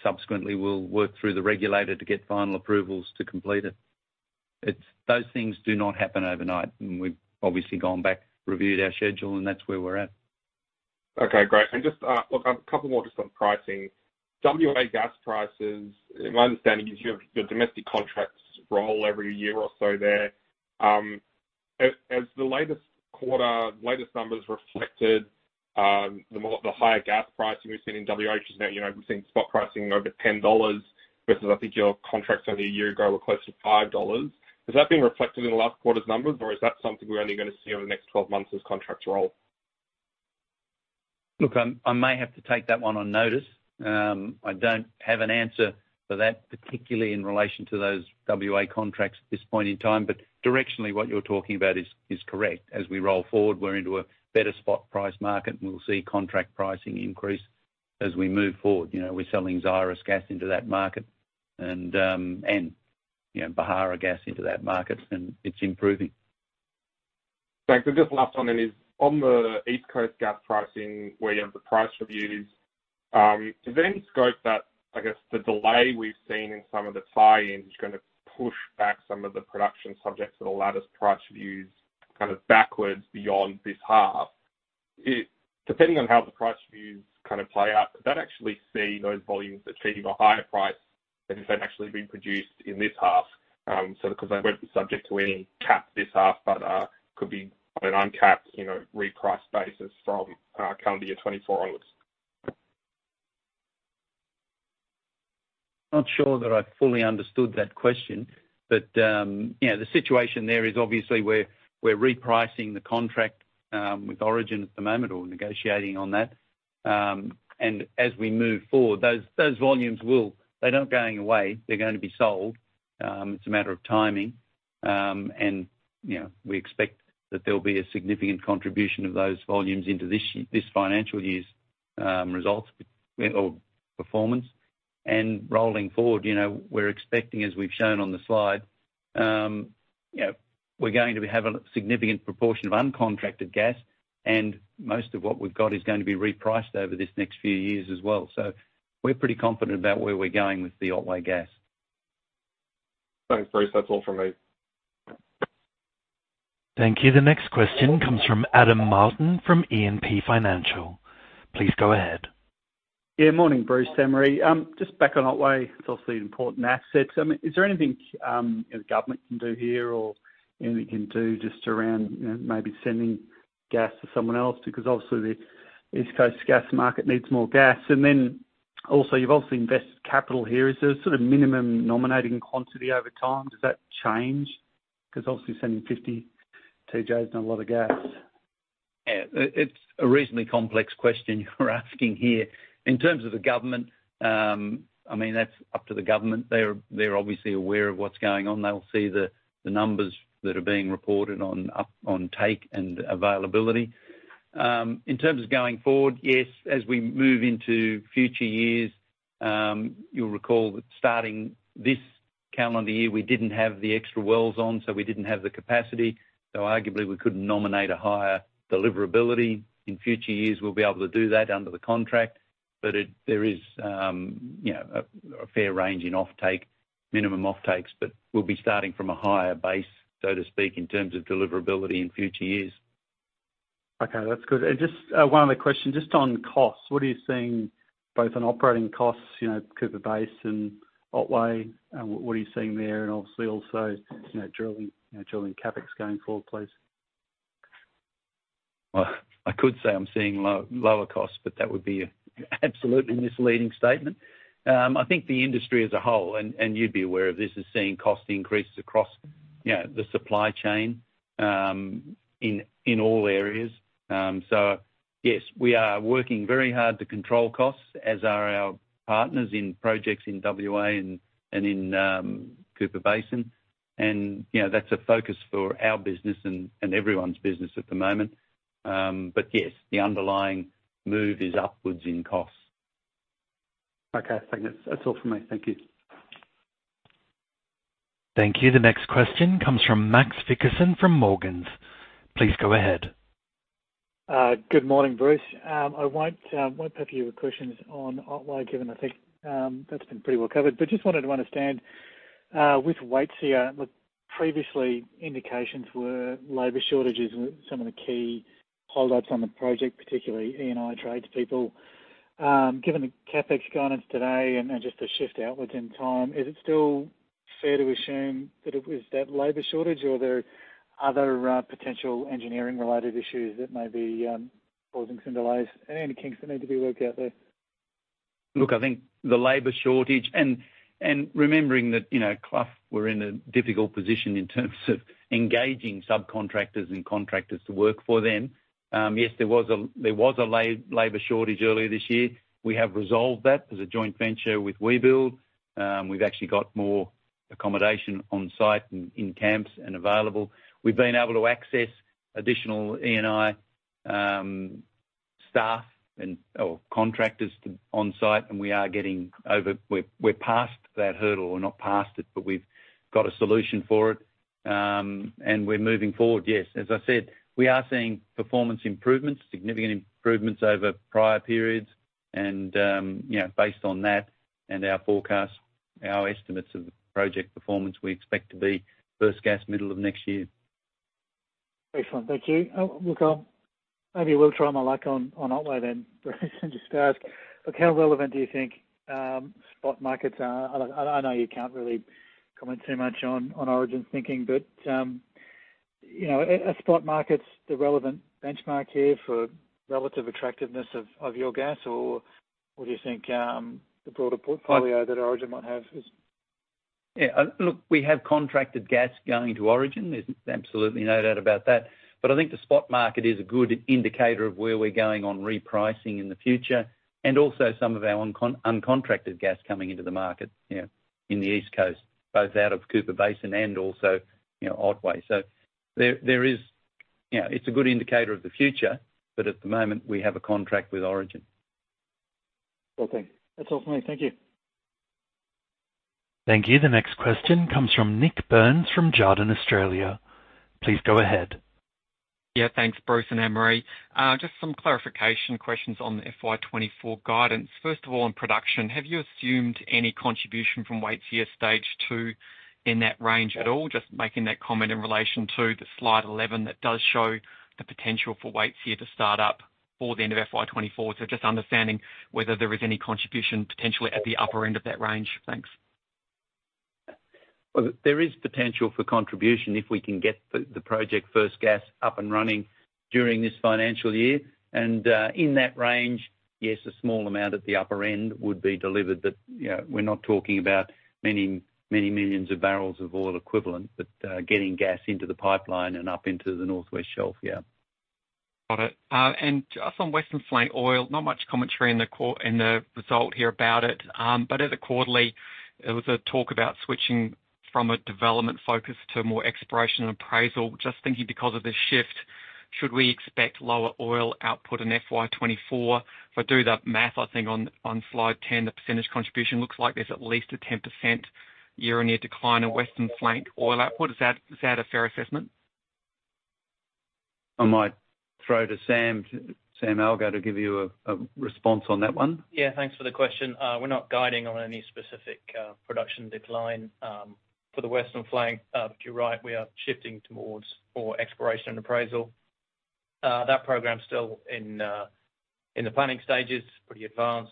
subsequently, we'll work through the regulator to get final approvals to complete it. Those things do not happen overnight, and we've obviously gone back, reviewed our schedule, and that's where we're at. Okay, great. Just, look, a couple more just on pricing. WA gas prices, my understanding is your, your domestic contracts roll every year or so there. As the latest quarter, latest numbers reflected, the higher gas pricing we've seen in WA, just now, you know, we've seen spot pricing over $10, versus I think your contracts only a year ago were close to $5. Has that been reflected in the last quarter's numbers, or is that something we're only gonna see over the next 12 months as contracts roll? Look, I'm, I may have to take that one on notice. I don't have an answer for that, particularly in relation to those WA contracts at this point in time. Directionally, what you're talking about is, is correct. As we roll forward, we're into a better spot price market, and we'll see contract pricing increase as we move forward. You know, we're selling Xyris gas into that market, and, and, you know, Beharra gas into that market, and it's improving. Thanks. Just last one then is, on the East Coast gas pricing, where you have the price reviews, is there any scope that, I guess, the delay we've seen in some of the tie-ins is gonna push back some of the production subjects at the latest price reviews, kind of backwards beyond this half? Depending on how the price reviews kind of play out, does that actually see those volumes achieving a higher price than if they'd actually been produced in this half? Because they weren't subject to any cap this half, but, could be on an uncapped, you know, repriced basis from calendar year 2024 onwards. Not sure that I fully understood that question, but, you know, the situation there is obviously we're, we're repricing the contract with Origin at the moment, or we're negotiating on that. As we move forward, those, those volumes will-- they're not going away, they're going to be sold. It's a matter of timing. You know, we expect that there will be a significant contribution of those volumes into this year, this financial year's results, or performance. Rolling forward, you know, we're expecting, as we've shown on the slide, you know, we're going to be having a significant proportion of uncontracted gas, and most of what we've got is going to be repriced over this next few years as well. We're pretty confident about where we're going with the Otway gas. Thanks, Bruce. That's all from me. Thank you. The next question comes from Adam Martin from E&P Financial. Please go ahead. Yeah, morning, Bruce Sam. Just back on Otway, it's obviously an important asset. I mean, is there anything the government can do here or anything you can do just around, you know, maybe sending gas to someone else? Obviously, the East Coast gas market needs more gas. Then also, you've obviously invested capital here. Is there a sort of minimum nominating quantity over time? Does that change? Obviously, sending 50 TJs is a lot of gas. Yeah, it's a reasonably complex question you're asking here. In terms of the government, I mean, that's up to the government. They're obviously aware of what's going on. They'll see the numbers that are being reported on, up on take and availability. In terms of going forward, yes, as we move into future years, you'll recall that starting this calendar year, we didn't have the extra wells on, so we didn't have the capacity. Arguably, we couldn't nominate a higher deliverability. In future years, we'll be able to do that under the contract. There is, you know, a fair range in offtake, minimum offtakes, but we'll be starting from a higher base, so to speak, in terms of deliverability in future years. Okay, that's good. Just, one other question, just on costs. What are you seeing both on operating costs, you know, Cooper Basin, Otway, and what are you seeing there? Obviously also, you know, drilling, drilling CapEx going forward, please. Well, I could say I'm seeing low- lower costs, but that would be an absolutely misleading statement. I think the industry as a whole, and, and you'd be aware of this, is seeing cost increases across, you know, the supply chain, in, in all areas. Yes, we are working very hard to control costs, as are our partners in projects in WA and, and in Cooper Basin. You know, that's a focus for our business and, and everyone's business at the moment. Yes, the underlying move is upwards in costs. Okay, thanks. That's all for me. Thank you. Thank you. The next question comes from Max Vickerman from Morgans. Please go ahead. Good morning, Bruce. I won't, won't put you with questions on Otway, given I think that's been pretty well covered. Just wanted to understand, with Waitsia, look, previously, indications were labor shortages were some of the key holdouts on the project, particularly E&I tradespeople. Given the CapEx guidance today and, and just the shift outwards in time, is it still fair to assume that it was that labor shortage, or are there other, potential engineering-related issues that may be causing some delays and any kinks that need to be worked out there? Look, I think the labor shortage. Remembering that, you know, Clough were in a difficult position in terms of engaging subcontractors and contractors to work for them. Yes, there was a labor shortage earlier this year. We have resolved that as a joint venture with Webuild. We've actually got more accommodation on site and in camps and available. We've been able to access additional ENI staff and, or contractors on site, and we are getting we're past that hurdle. We're not past it, but we've got a solution for it, and we're moving forward. Yes, as I said, we are seeing performance improvements, significant improvements over prior periods, and based on that and our forecast, our estimates of the project performance, we expect to be first gas, middle of next year. Excellent. Thank you. Look, I'll maybe will try my luck on Otway then. Just ask, look, how relevant do you think spot markets are? I know you can't really comment too much on Origin Energy thinking, you know, are spot markets, the relevant benchmark here for relative attractiveness of your gas? Or do you think the broader portfolio that Origin Energy might have is. Look, we have contracted gas going to Origin. There's absolutely no doubt about that. I think the spot market is a good indicator of where we're going on repricing in the future, and also some of our uncontracted gas coming into the market in the East Coast, both out of Cooper Basin and also, you know, Otway. There is, you know, it's a good indicator of the future, but at the moment we have a contract with Origin. Well, thank you. That's all for me. Thank you. Thank you. The next question comes from Nick Burns, from Jarden Australia. Please go ahead. Yeah, thanks, Bruce and Anne Marie. Just some clarification questions on the FY 2024 guidance. First of all, on production, have you assumed any contribution from Waitsia Stage 2 in that range at all? Just making that comment in relation to the Slide 11, that does show the potential for Waitsia to start up for the end of FY 2024. Just understanding whether there is any contribution potentially at the upper end of that range. Thanks. Well, there is potential for contribution if we can get the project first gas up and running during this financial year. In that range, yes, a small amount at the upper end would be delivered, but, you know, we're not talking about many, many millions of barrels of oil equivalent. Getting gas into the pipeline and up into the North West Shelf. Yeah. Got it. Just on Western Flank Oil, not much commentary in the in the result here about it, but at the quarterly, there was a talk about switching from a development focus to a more exploration and appraisal. Just thinking, because of this shift, should we expect lower oil output in FY 2024? If I do the math, I think on, on Slide 10, the percentage contribution looks like there's at least a 10% year-on-year decline in Western Flank oil output. Is that, is that a fair assessment? I might throw to Sam, to Sam Algar, to give you a, a response on that one. Yeah, thanks for the question. We're not guiding on any specific production decline for the Western Flank. You're right, we are shifting towards more exploration and appraisal. That program is still in the planning stages, pretty advanced.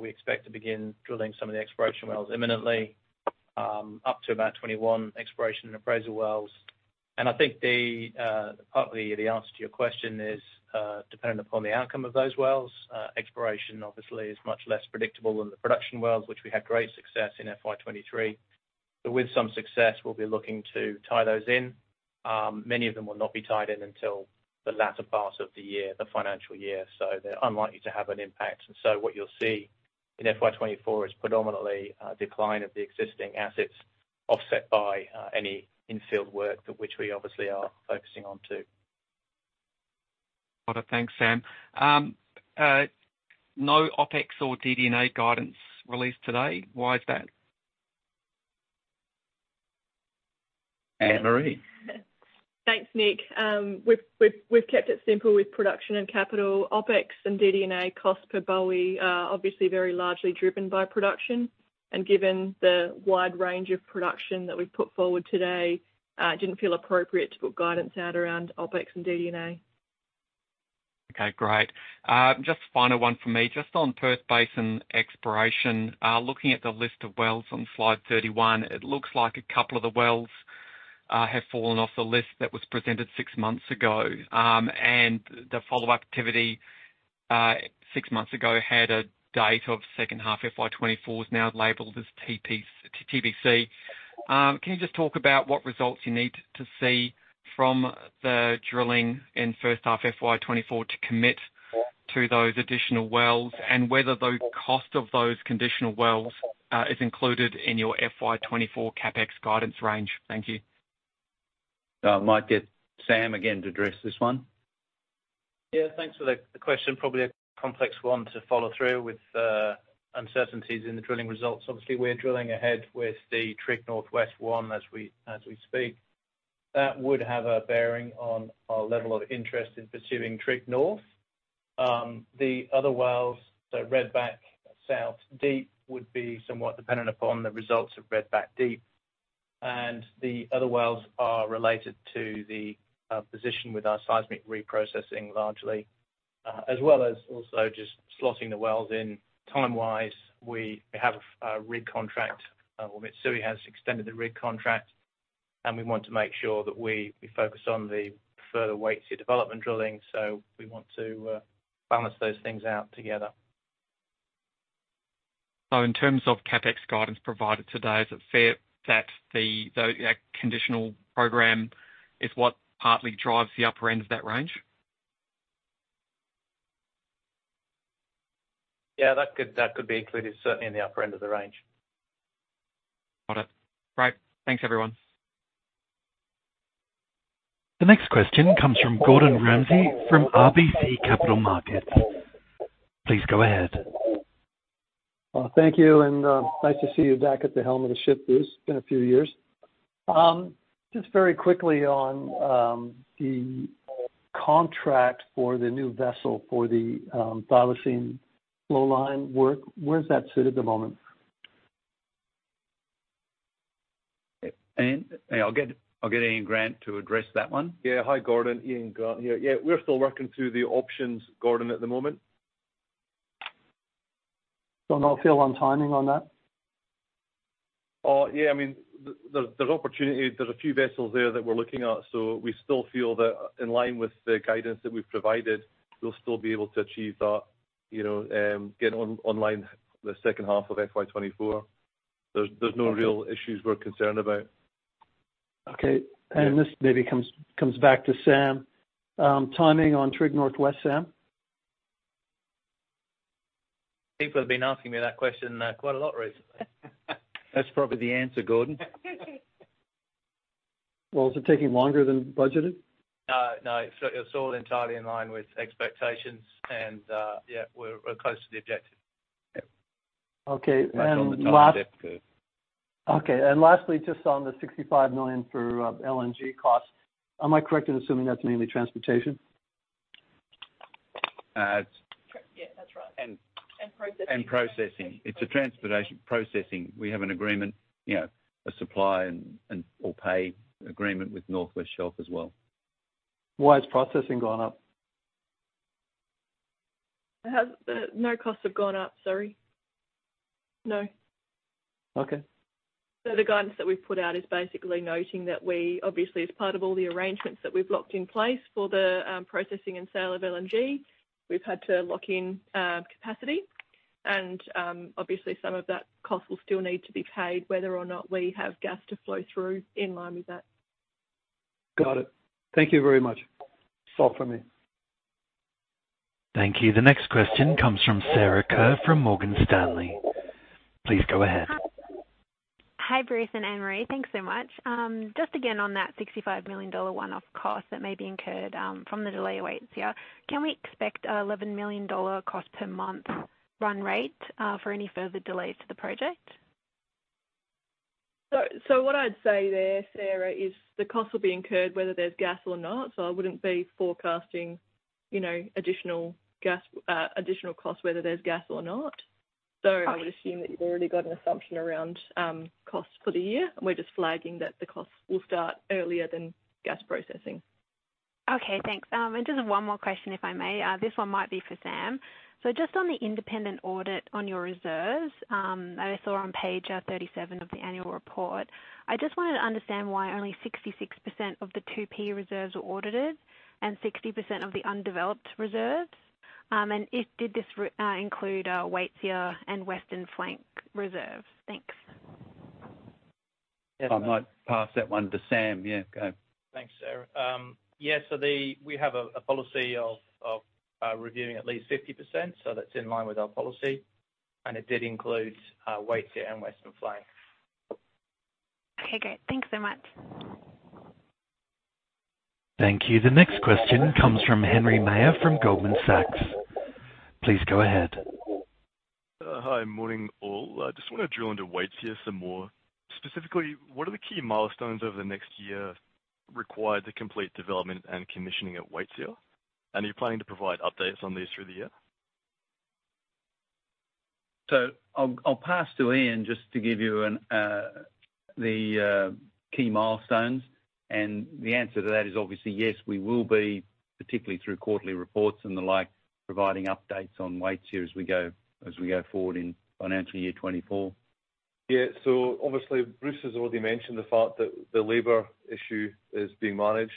We expect to begin drilling some of the exploration wells imminently, up to about 21 exploration and appraisal wells. I think the partly the answer to your question is dependent upon the outcome of those wells. Exploration obviously is much less predictable than the production wells, which we had great success in FY 2023. With some success, we'll be looking to tie those in. Many of them will not be tied in until the latter part of the year, the financial year, so they're unlikely to have an impact. What you'll see in FY 2024 is predominantly a decline of the existing assets, offset by, any in-field work, that which we obviously are focusing on, too. Got it. Thanks, Sam. No OpEx or DD&A guidance released today. Why is that? Anne Marie? Thanks, Nick. We've, we've, we've kept it simple with production and capital OpEx and DD&A cost per BOE are obviously very largely driven by production. Given the wide range of production that we've put forward today, it didn't feel appropriate to put guidance out around OpEx and DD&A. Okay, great. Just final one for me, just on Perth Basin exploration. Looking at the list of wells on Slide 31, it looks like a couple of the wells have fallen off the list that was presented 6 months ago. The follow-up activity, 6 months ago, had a date of second half FY 2024, is now labeled as TBC. Can you just talk about what results you need to see from the drilling in first half FY 2024 to commit to those additional wells, and whether the cost of those conditional wells is included in your FY 2024 CapEx guidance range? Thank you. I might get Sam again to address this one. Yeah, thanks for the, the question. Probably a complex one to follow through with uncertainties in the drilling results. Obviously, we're drilling ahead with the Trigg Northwest-1, as we, as we speak. That would have a bearing on our level of interest in pursuing Trigg North. The other wells, so Redback South Deep, would be somewhat dependent upon the results of Redback Deep, and the other wells are related to the position with our seismic reprocessing largely. As well as also just slotting the wells in time-wise. We, we have a, a rig contract, well, Mitsui has extended the rig contract, and we want to make sure that we, we focus on the further Waitsia development drilling, so we want to balance those things out together. In terms of CapEx guidance provided today, is it fair that the conditional program is what partly drives the upper end of that range?... Yeah, that could, that could be included certainly in the upper end of the range. Got it. Right. Thanks, everyone. The next question comes from Gordon Ramsay, from RBC Capital Markets. Please go ahead. Thank you, and nice to see you back at the helm of the ship, Bruce. It's been a few years. Just very quickly on the contract for the new vessel for the Thylacine flow line work, where does that sit at the moment? Ian? I'll get Ian Grant to address that one. Yeah. Hi, Gordon, Ian Grant here. Yeah, we're still working through the options, Gordon, at the moment. No feel on timing on that? Yeah, I mean, there, there's opportunity. There's a few vessels there that we're looking at, so we still feel that in line with the guidance that we've provided, we'll still be able to achieve that, you know, get online the second half of FY 2024. There's no real issues we're concerned about. Okay. Yeah. This maybe comes, comes back to Sam. Timing on Trigg Northwest, Sam? People have been asking me that question, quite a lot recently. That's probably the answer, Gordon. Well, is it taking longer than budgeted? No, no, it's, it's all entirely in line with expectations, and, yeah, we're, we're close to the objective. Yeah. Okay. Right on the time ship curve. Okay, lastly, just on the 65 million for LNG costs, am I correct in assuming that's mainly transportation? Uh, it's. Yeah, that's right. And. Processing. Processing. It's a transportation processing. We have an agreement, you know, a supply and, and or pay agreement with North West Shelf as well. Why has processing gone up? No, costs have gone up, sorry. No. Okay. The guidance that we've put out is basically noting that we obviously, as part of all the arrangements that we've locked in place for the processing and sale of LNG, we've had to lock in capacity. Obviously some of that cost will still need to be paid, whether or not we have gas to flow through in line with that. Got it. Thank you very much. That's all for me. Thank you. The next question comes from Sarah Kerr, from Morgan Stanley. Please go ahead. Hi, Bruce and Anne-Marie. Thanks so much. Just again, on that 65 million dollar one-off cost that may be incurred, from the delay at Waitsia, can we expect an 11 million dollar cost per month run rate, for any further delays to the project? What I'd say there, Sarah, is the cost will be incurred whether there's gas or not. I wouldn't be forecasting, you know, additional gas, additional cost, whether there's gas or not. Okay. I would assume that you've already got an assumption around costs for the year, and we're just flagging that the costs will start earlier than gas processing. Thanks. Just one more question, if I may. This one might be for Sam. Just on the independent audit on your reserves, I saw on page 37 of the annual report. I just wanted to understand why only 66% of the 2P reserves were audited and 60% of the undeveloped reserves. Did this include Waitsia and Western Flank reserves? Thanks. I might pass that one to Sam. Yeah, go. Thanks, Sarah. yeah, so the, we have a policy of reviewing at least 50%, so that's in line with our policy. It did include Waitsia and Western Flank. Okay, great. Thanks so much. Thank you. The next question comes from Henry Meyer, from Goldman Sachs. Please go ahead. Hi. Morning, all. I just want to drill into Waitsia some more. Specifically, what are the key milestones over the next year required to complete development and commissioning at Waitsia? Are you planning to provide updates on these through the year? I'll pass to Ian, just to give you the key milestones. The answer to that is obviously yes, we will be, particularly through quarterly reports and the like, providing updates on Waitsia as we go, as we go forward in financial year 2024. Yeah. Obviously, Bruce has already mentioned the fact that the labor issue is being managed.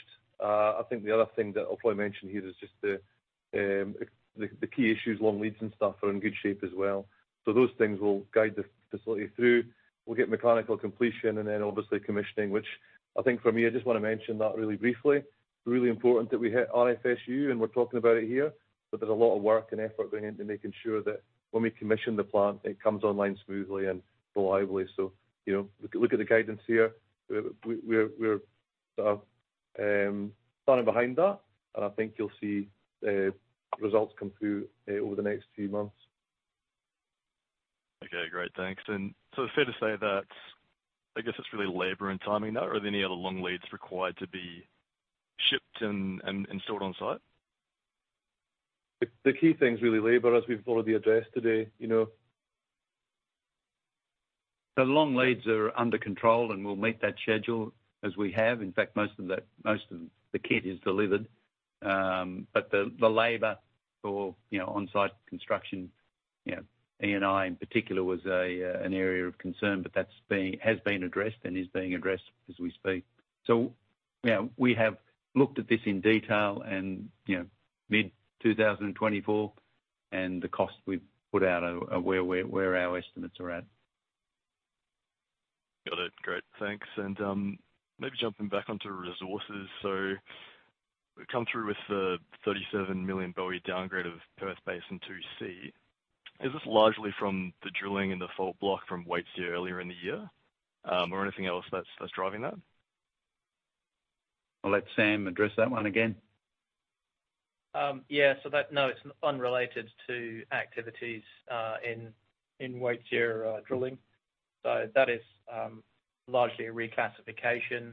I think the other thing that I'll probably mention here is just the key issues, long leads and stuff are in good shape as well. Those things will guide the facility through. We'll get mechanical completion and then obviously commissioning, which I think for me, I just want to mention that really briefly. Really important that we hit RFSU, and we're talking about it here, but there's a lot of work and effort going into making sure that when we commission the plant, it comes online smoothly and reliably. You know, look at the guidance here. We're, we're, we're standing behind that, and I think you'll see results come through over the next few months. Okay, great. Thanks. So fair to say that, I guess it's really labor and timing now. Are there any other long leads required to be shipped and, and, and stored on site? The key thing is really labor, as we've already addressed today, you know. The long leads are under control, and we'll meet that schedule as we have. In fact, most of the, most of the kit is delivered. The, the labor for, you know, on-site construction, you know, E&I in particular, was an area of concern, but that's being, has been addressed and is being addressed as we speak. You know, we have looked at this in detail and, you know, mid-2024, and the cost we've put out are, are where we're, where our estimates are at. Great, thanks. Maybe jumping back onto resources. We've come through with the 37 million BOE downgrade of Perth Basin 2C. Is this largely from the drilling in the fault block from Waitsia earlier in the year, or anything else that's, that's driving that? I'll let Sam address that one again. Yeah, so that no, it's unrelated to activities in Waitsia drilling. That is largely a reclassification.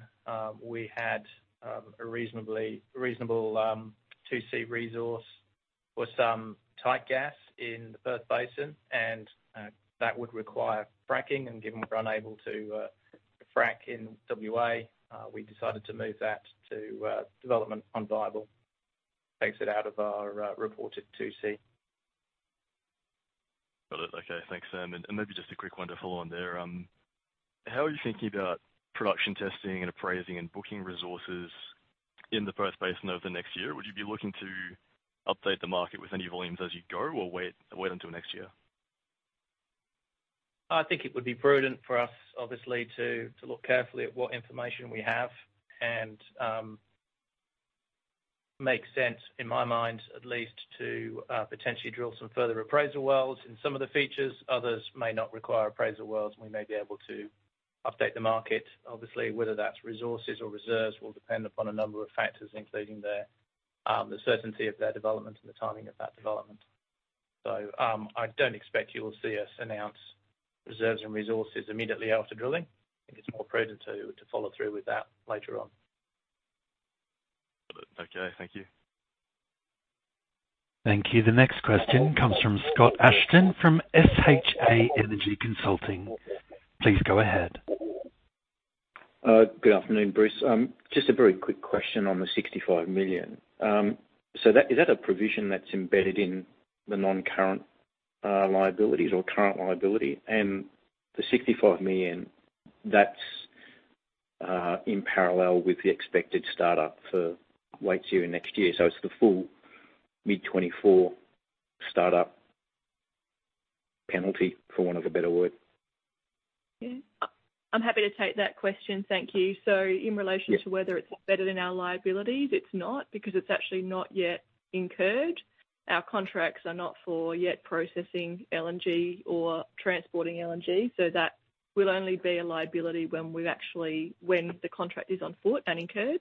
We had a reasonably reasonable 2C resource for some tight gas in the Perth Basin, and that would require fracking. Given we're unable to frack in WA, we decided to move that to development unviable. Takes it out of our reported 2C. Got it. Okay. Thanks, Sam. And maybe just a quick one to follow on there. How are you thinking about production testing and appraising and booking resources in the Perth Basin over the next year? Would you be looking to update the market with any volumes as you go, or wait until next year? I think it would be prudent for us, obviously, to, to look carefully at what information we have and make sense, in my mind at least, to potentially drill some further appraisal wells in some of the features. Others may not require appraisal wells, and we may be able to update the market. Obviously, whether that's resources or reserves will depend upon a number of factors, including the certainty of their development and the timing of that development. I don't expect you will see us announce reserves and resources immediately after drilling. I think it's more prudent to, to follow through with that later on. Got it. Okay. Thank you. Thank you. The next question comes from Scott Ashton from SHA Energy Consulting. Please go ahead. Good afternoon, Bruce. Just a very quick question on the 65 million. Is that a provision that's embedded in the non-current liabilities or current liability? And the 65 million, that's in parallel with the expected startup for Waitsia next year, so it's the full mid-2024 startup penalty, for want of a better word. Yeah. I, I'm happy to take that question. Thank you. in relation- Yeah. to whether it's embedded in our liabilities, it's not, because it's actually not yet incurred. Our contracts are not for yet processing LNG or transporting LNG, so that will only be a liability when we've actually, when the contract is on foot and incurred.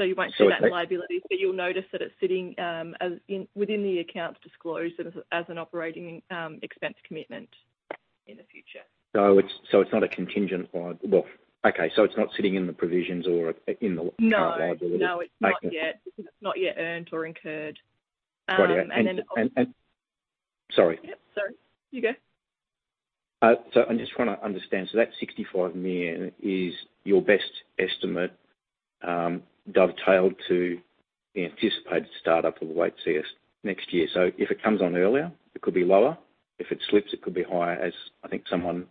You won't. So next- -see that in the liability, but you'll notice that it's sitting, as, in, within the accounts disclosed and as, as an operating, expense commitment in the future. Well, okay, so it's not sitting in the provisions or in the current liabilities? No. No, it's not yet. Okay. It's not yet earned or incurred. Got it. sorry. Yep, sorry. You go. I'm just trying to understand. That 65 million is your best estimate, dovetailed to the anticipated startup of the Waitsia next year. If it comes on earlier, it could be lower? If it slips, it could be higher, as I think someone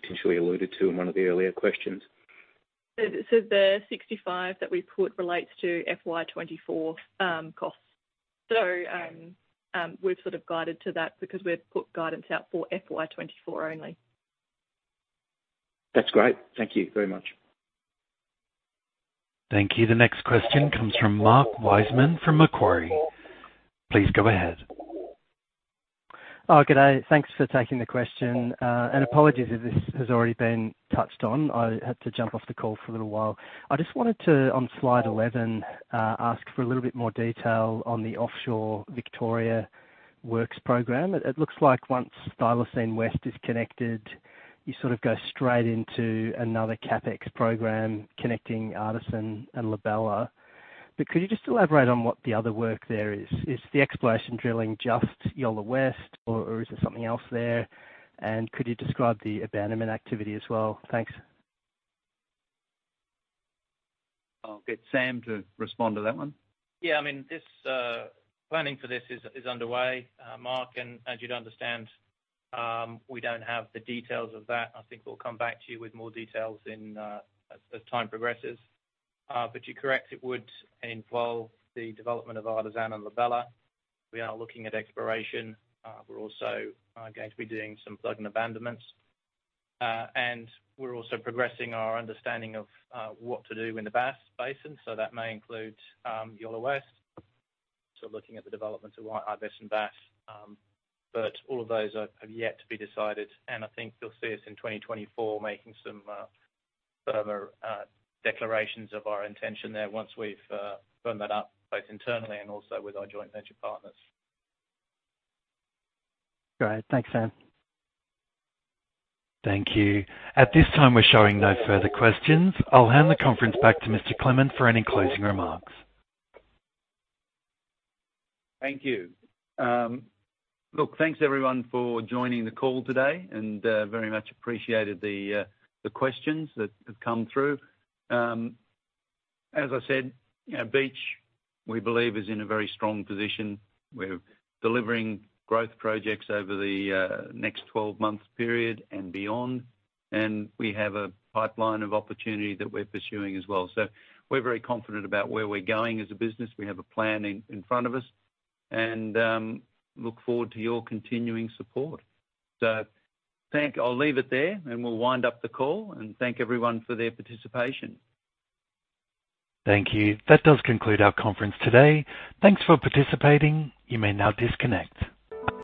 potentially alluded to in one of the earlier questions. So the 65 that we put relates to FY 2024 costs. Okay. We've sort of guided to that because we've put guidance out for FY 2024 only. That's great. Thank you very much. Thank you. The next question comes from Mark Wiseman from Macquarie. Please go ahead. Oh, good day. Thanks for taking the question. Apologies if this has already been touched on. I had to jump off the call for a little while. I just wanted to, on slide 11, ask for a little bit more detail on the offshore Victoria Works program. It, it looks like once Thylacine West is connected, you sort of go straight into another CapEx program connecting Artisan and Labella. Could you just elaborate on what the other work there is? Is the exploration drilling just Yolla West, or, or is there something else there? Could you describe the abandonment activity as well? Thanks. I'll get Sam to respond to that one. Yeah, I mean, this planning for this is, is underway, Mark, and as you'd understand, we don't have the details of that. I think we'll come back to you with more details in as, as time progresses. You're correct. It would involve the development of Artisan and Labella. We are looking at exploration. We're also going to be doing some plug and abandonments. We're also progressing our understanding of what to do in the Bass Basin. That may include Yolla West. Looking at the development of Artisan Bass, all of those are, have yet to be decided, and I think you'll see us in 2024 making some further declarations of our intention there once we've firm that up, both internally and also with our joint venture partners. Great. Thanks, Sam. Thank you. At this time, we're showing no further questions. I'll hand the conference back to Mr. Clement for any closing remarks. Thank you. Look, thanks, everyone, for joining the call today, and very much appreciated the questions that have come through. As I said, Beach, we believe, is in a very strong position. We're delivering growth projects over the next 12 month period and beyond, and we have a pipeline of opportunity that we're pursuing as well. We're very confident about where we're going as a business. We have a plan in, in front of us, and look forward to your continuing support. Thank- I'll leave it there, and we'll wind up the call and thank everyone for their participation. Thank you. That does conclude our conference today. Thanks for participating. You may now disconnect.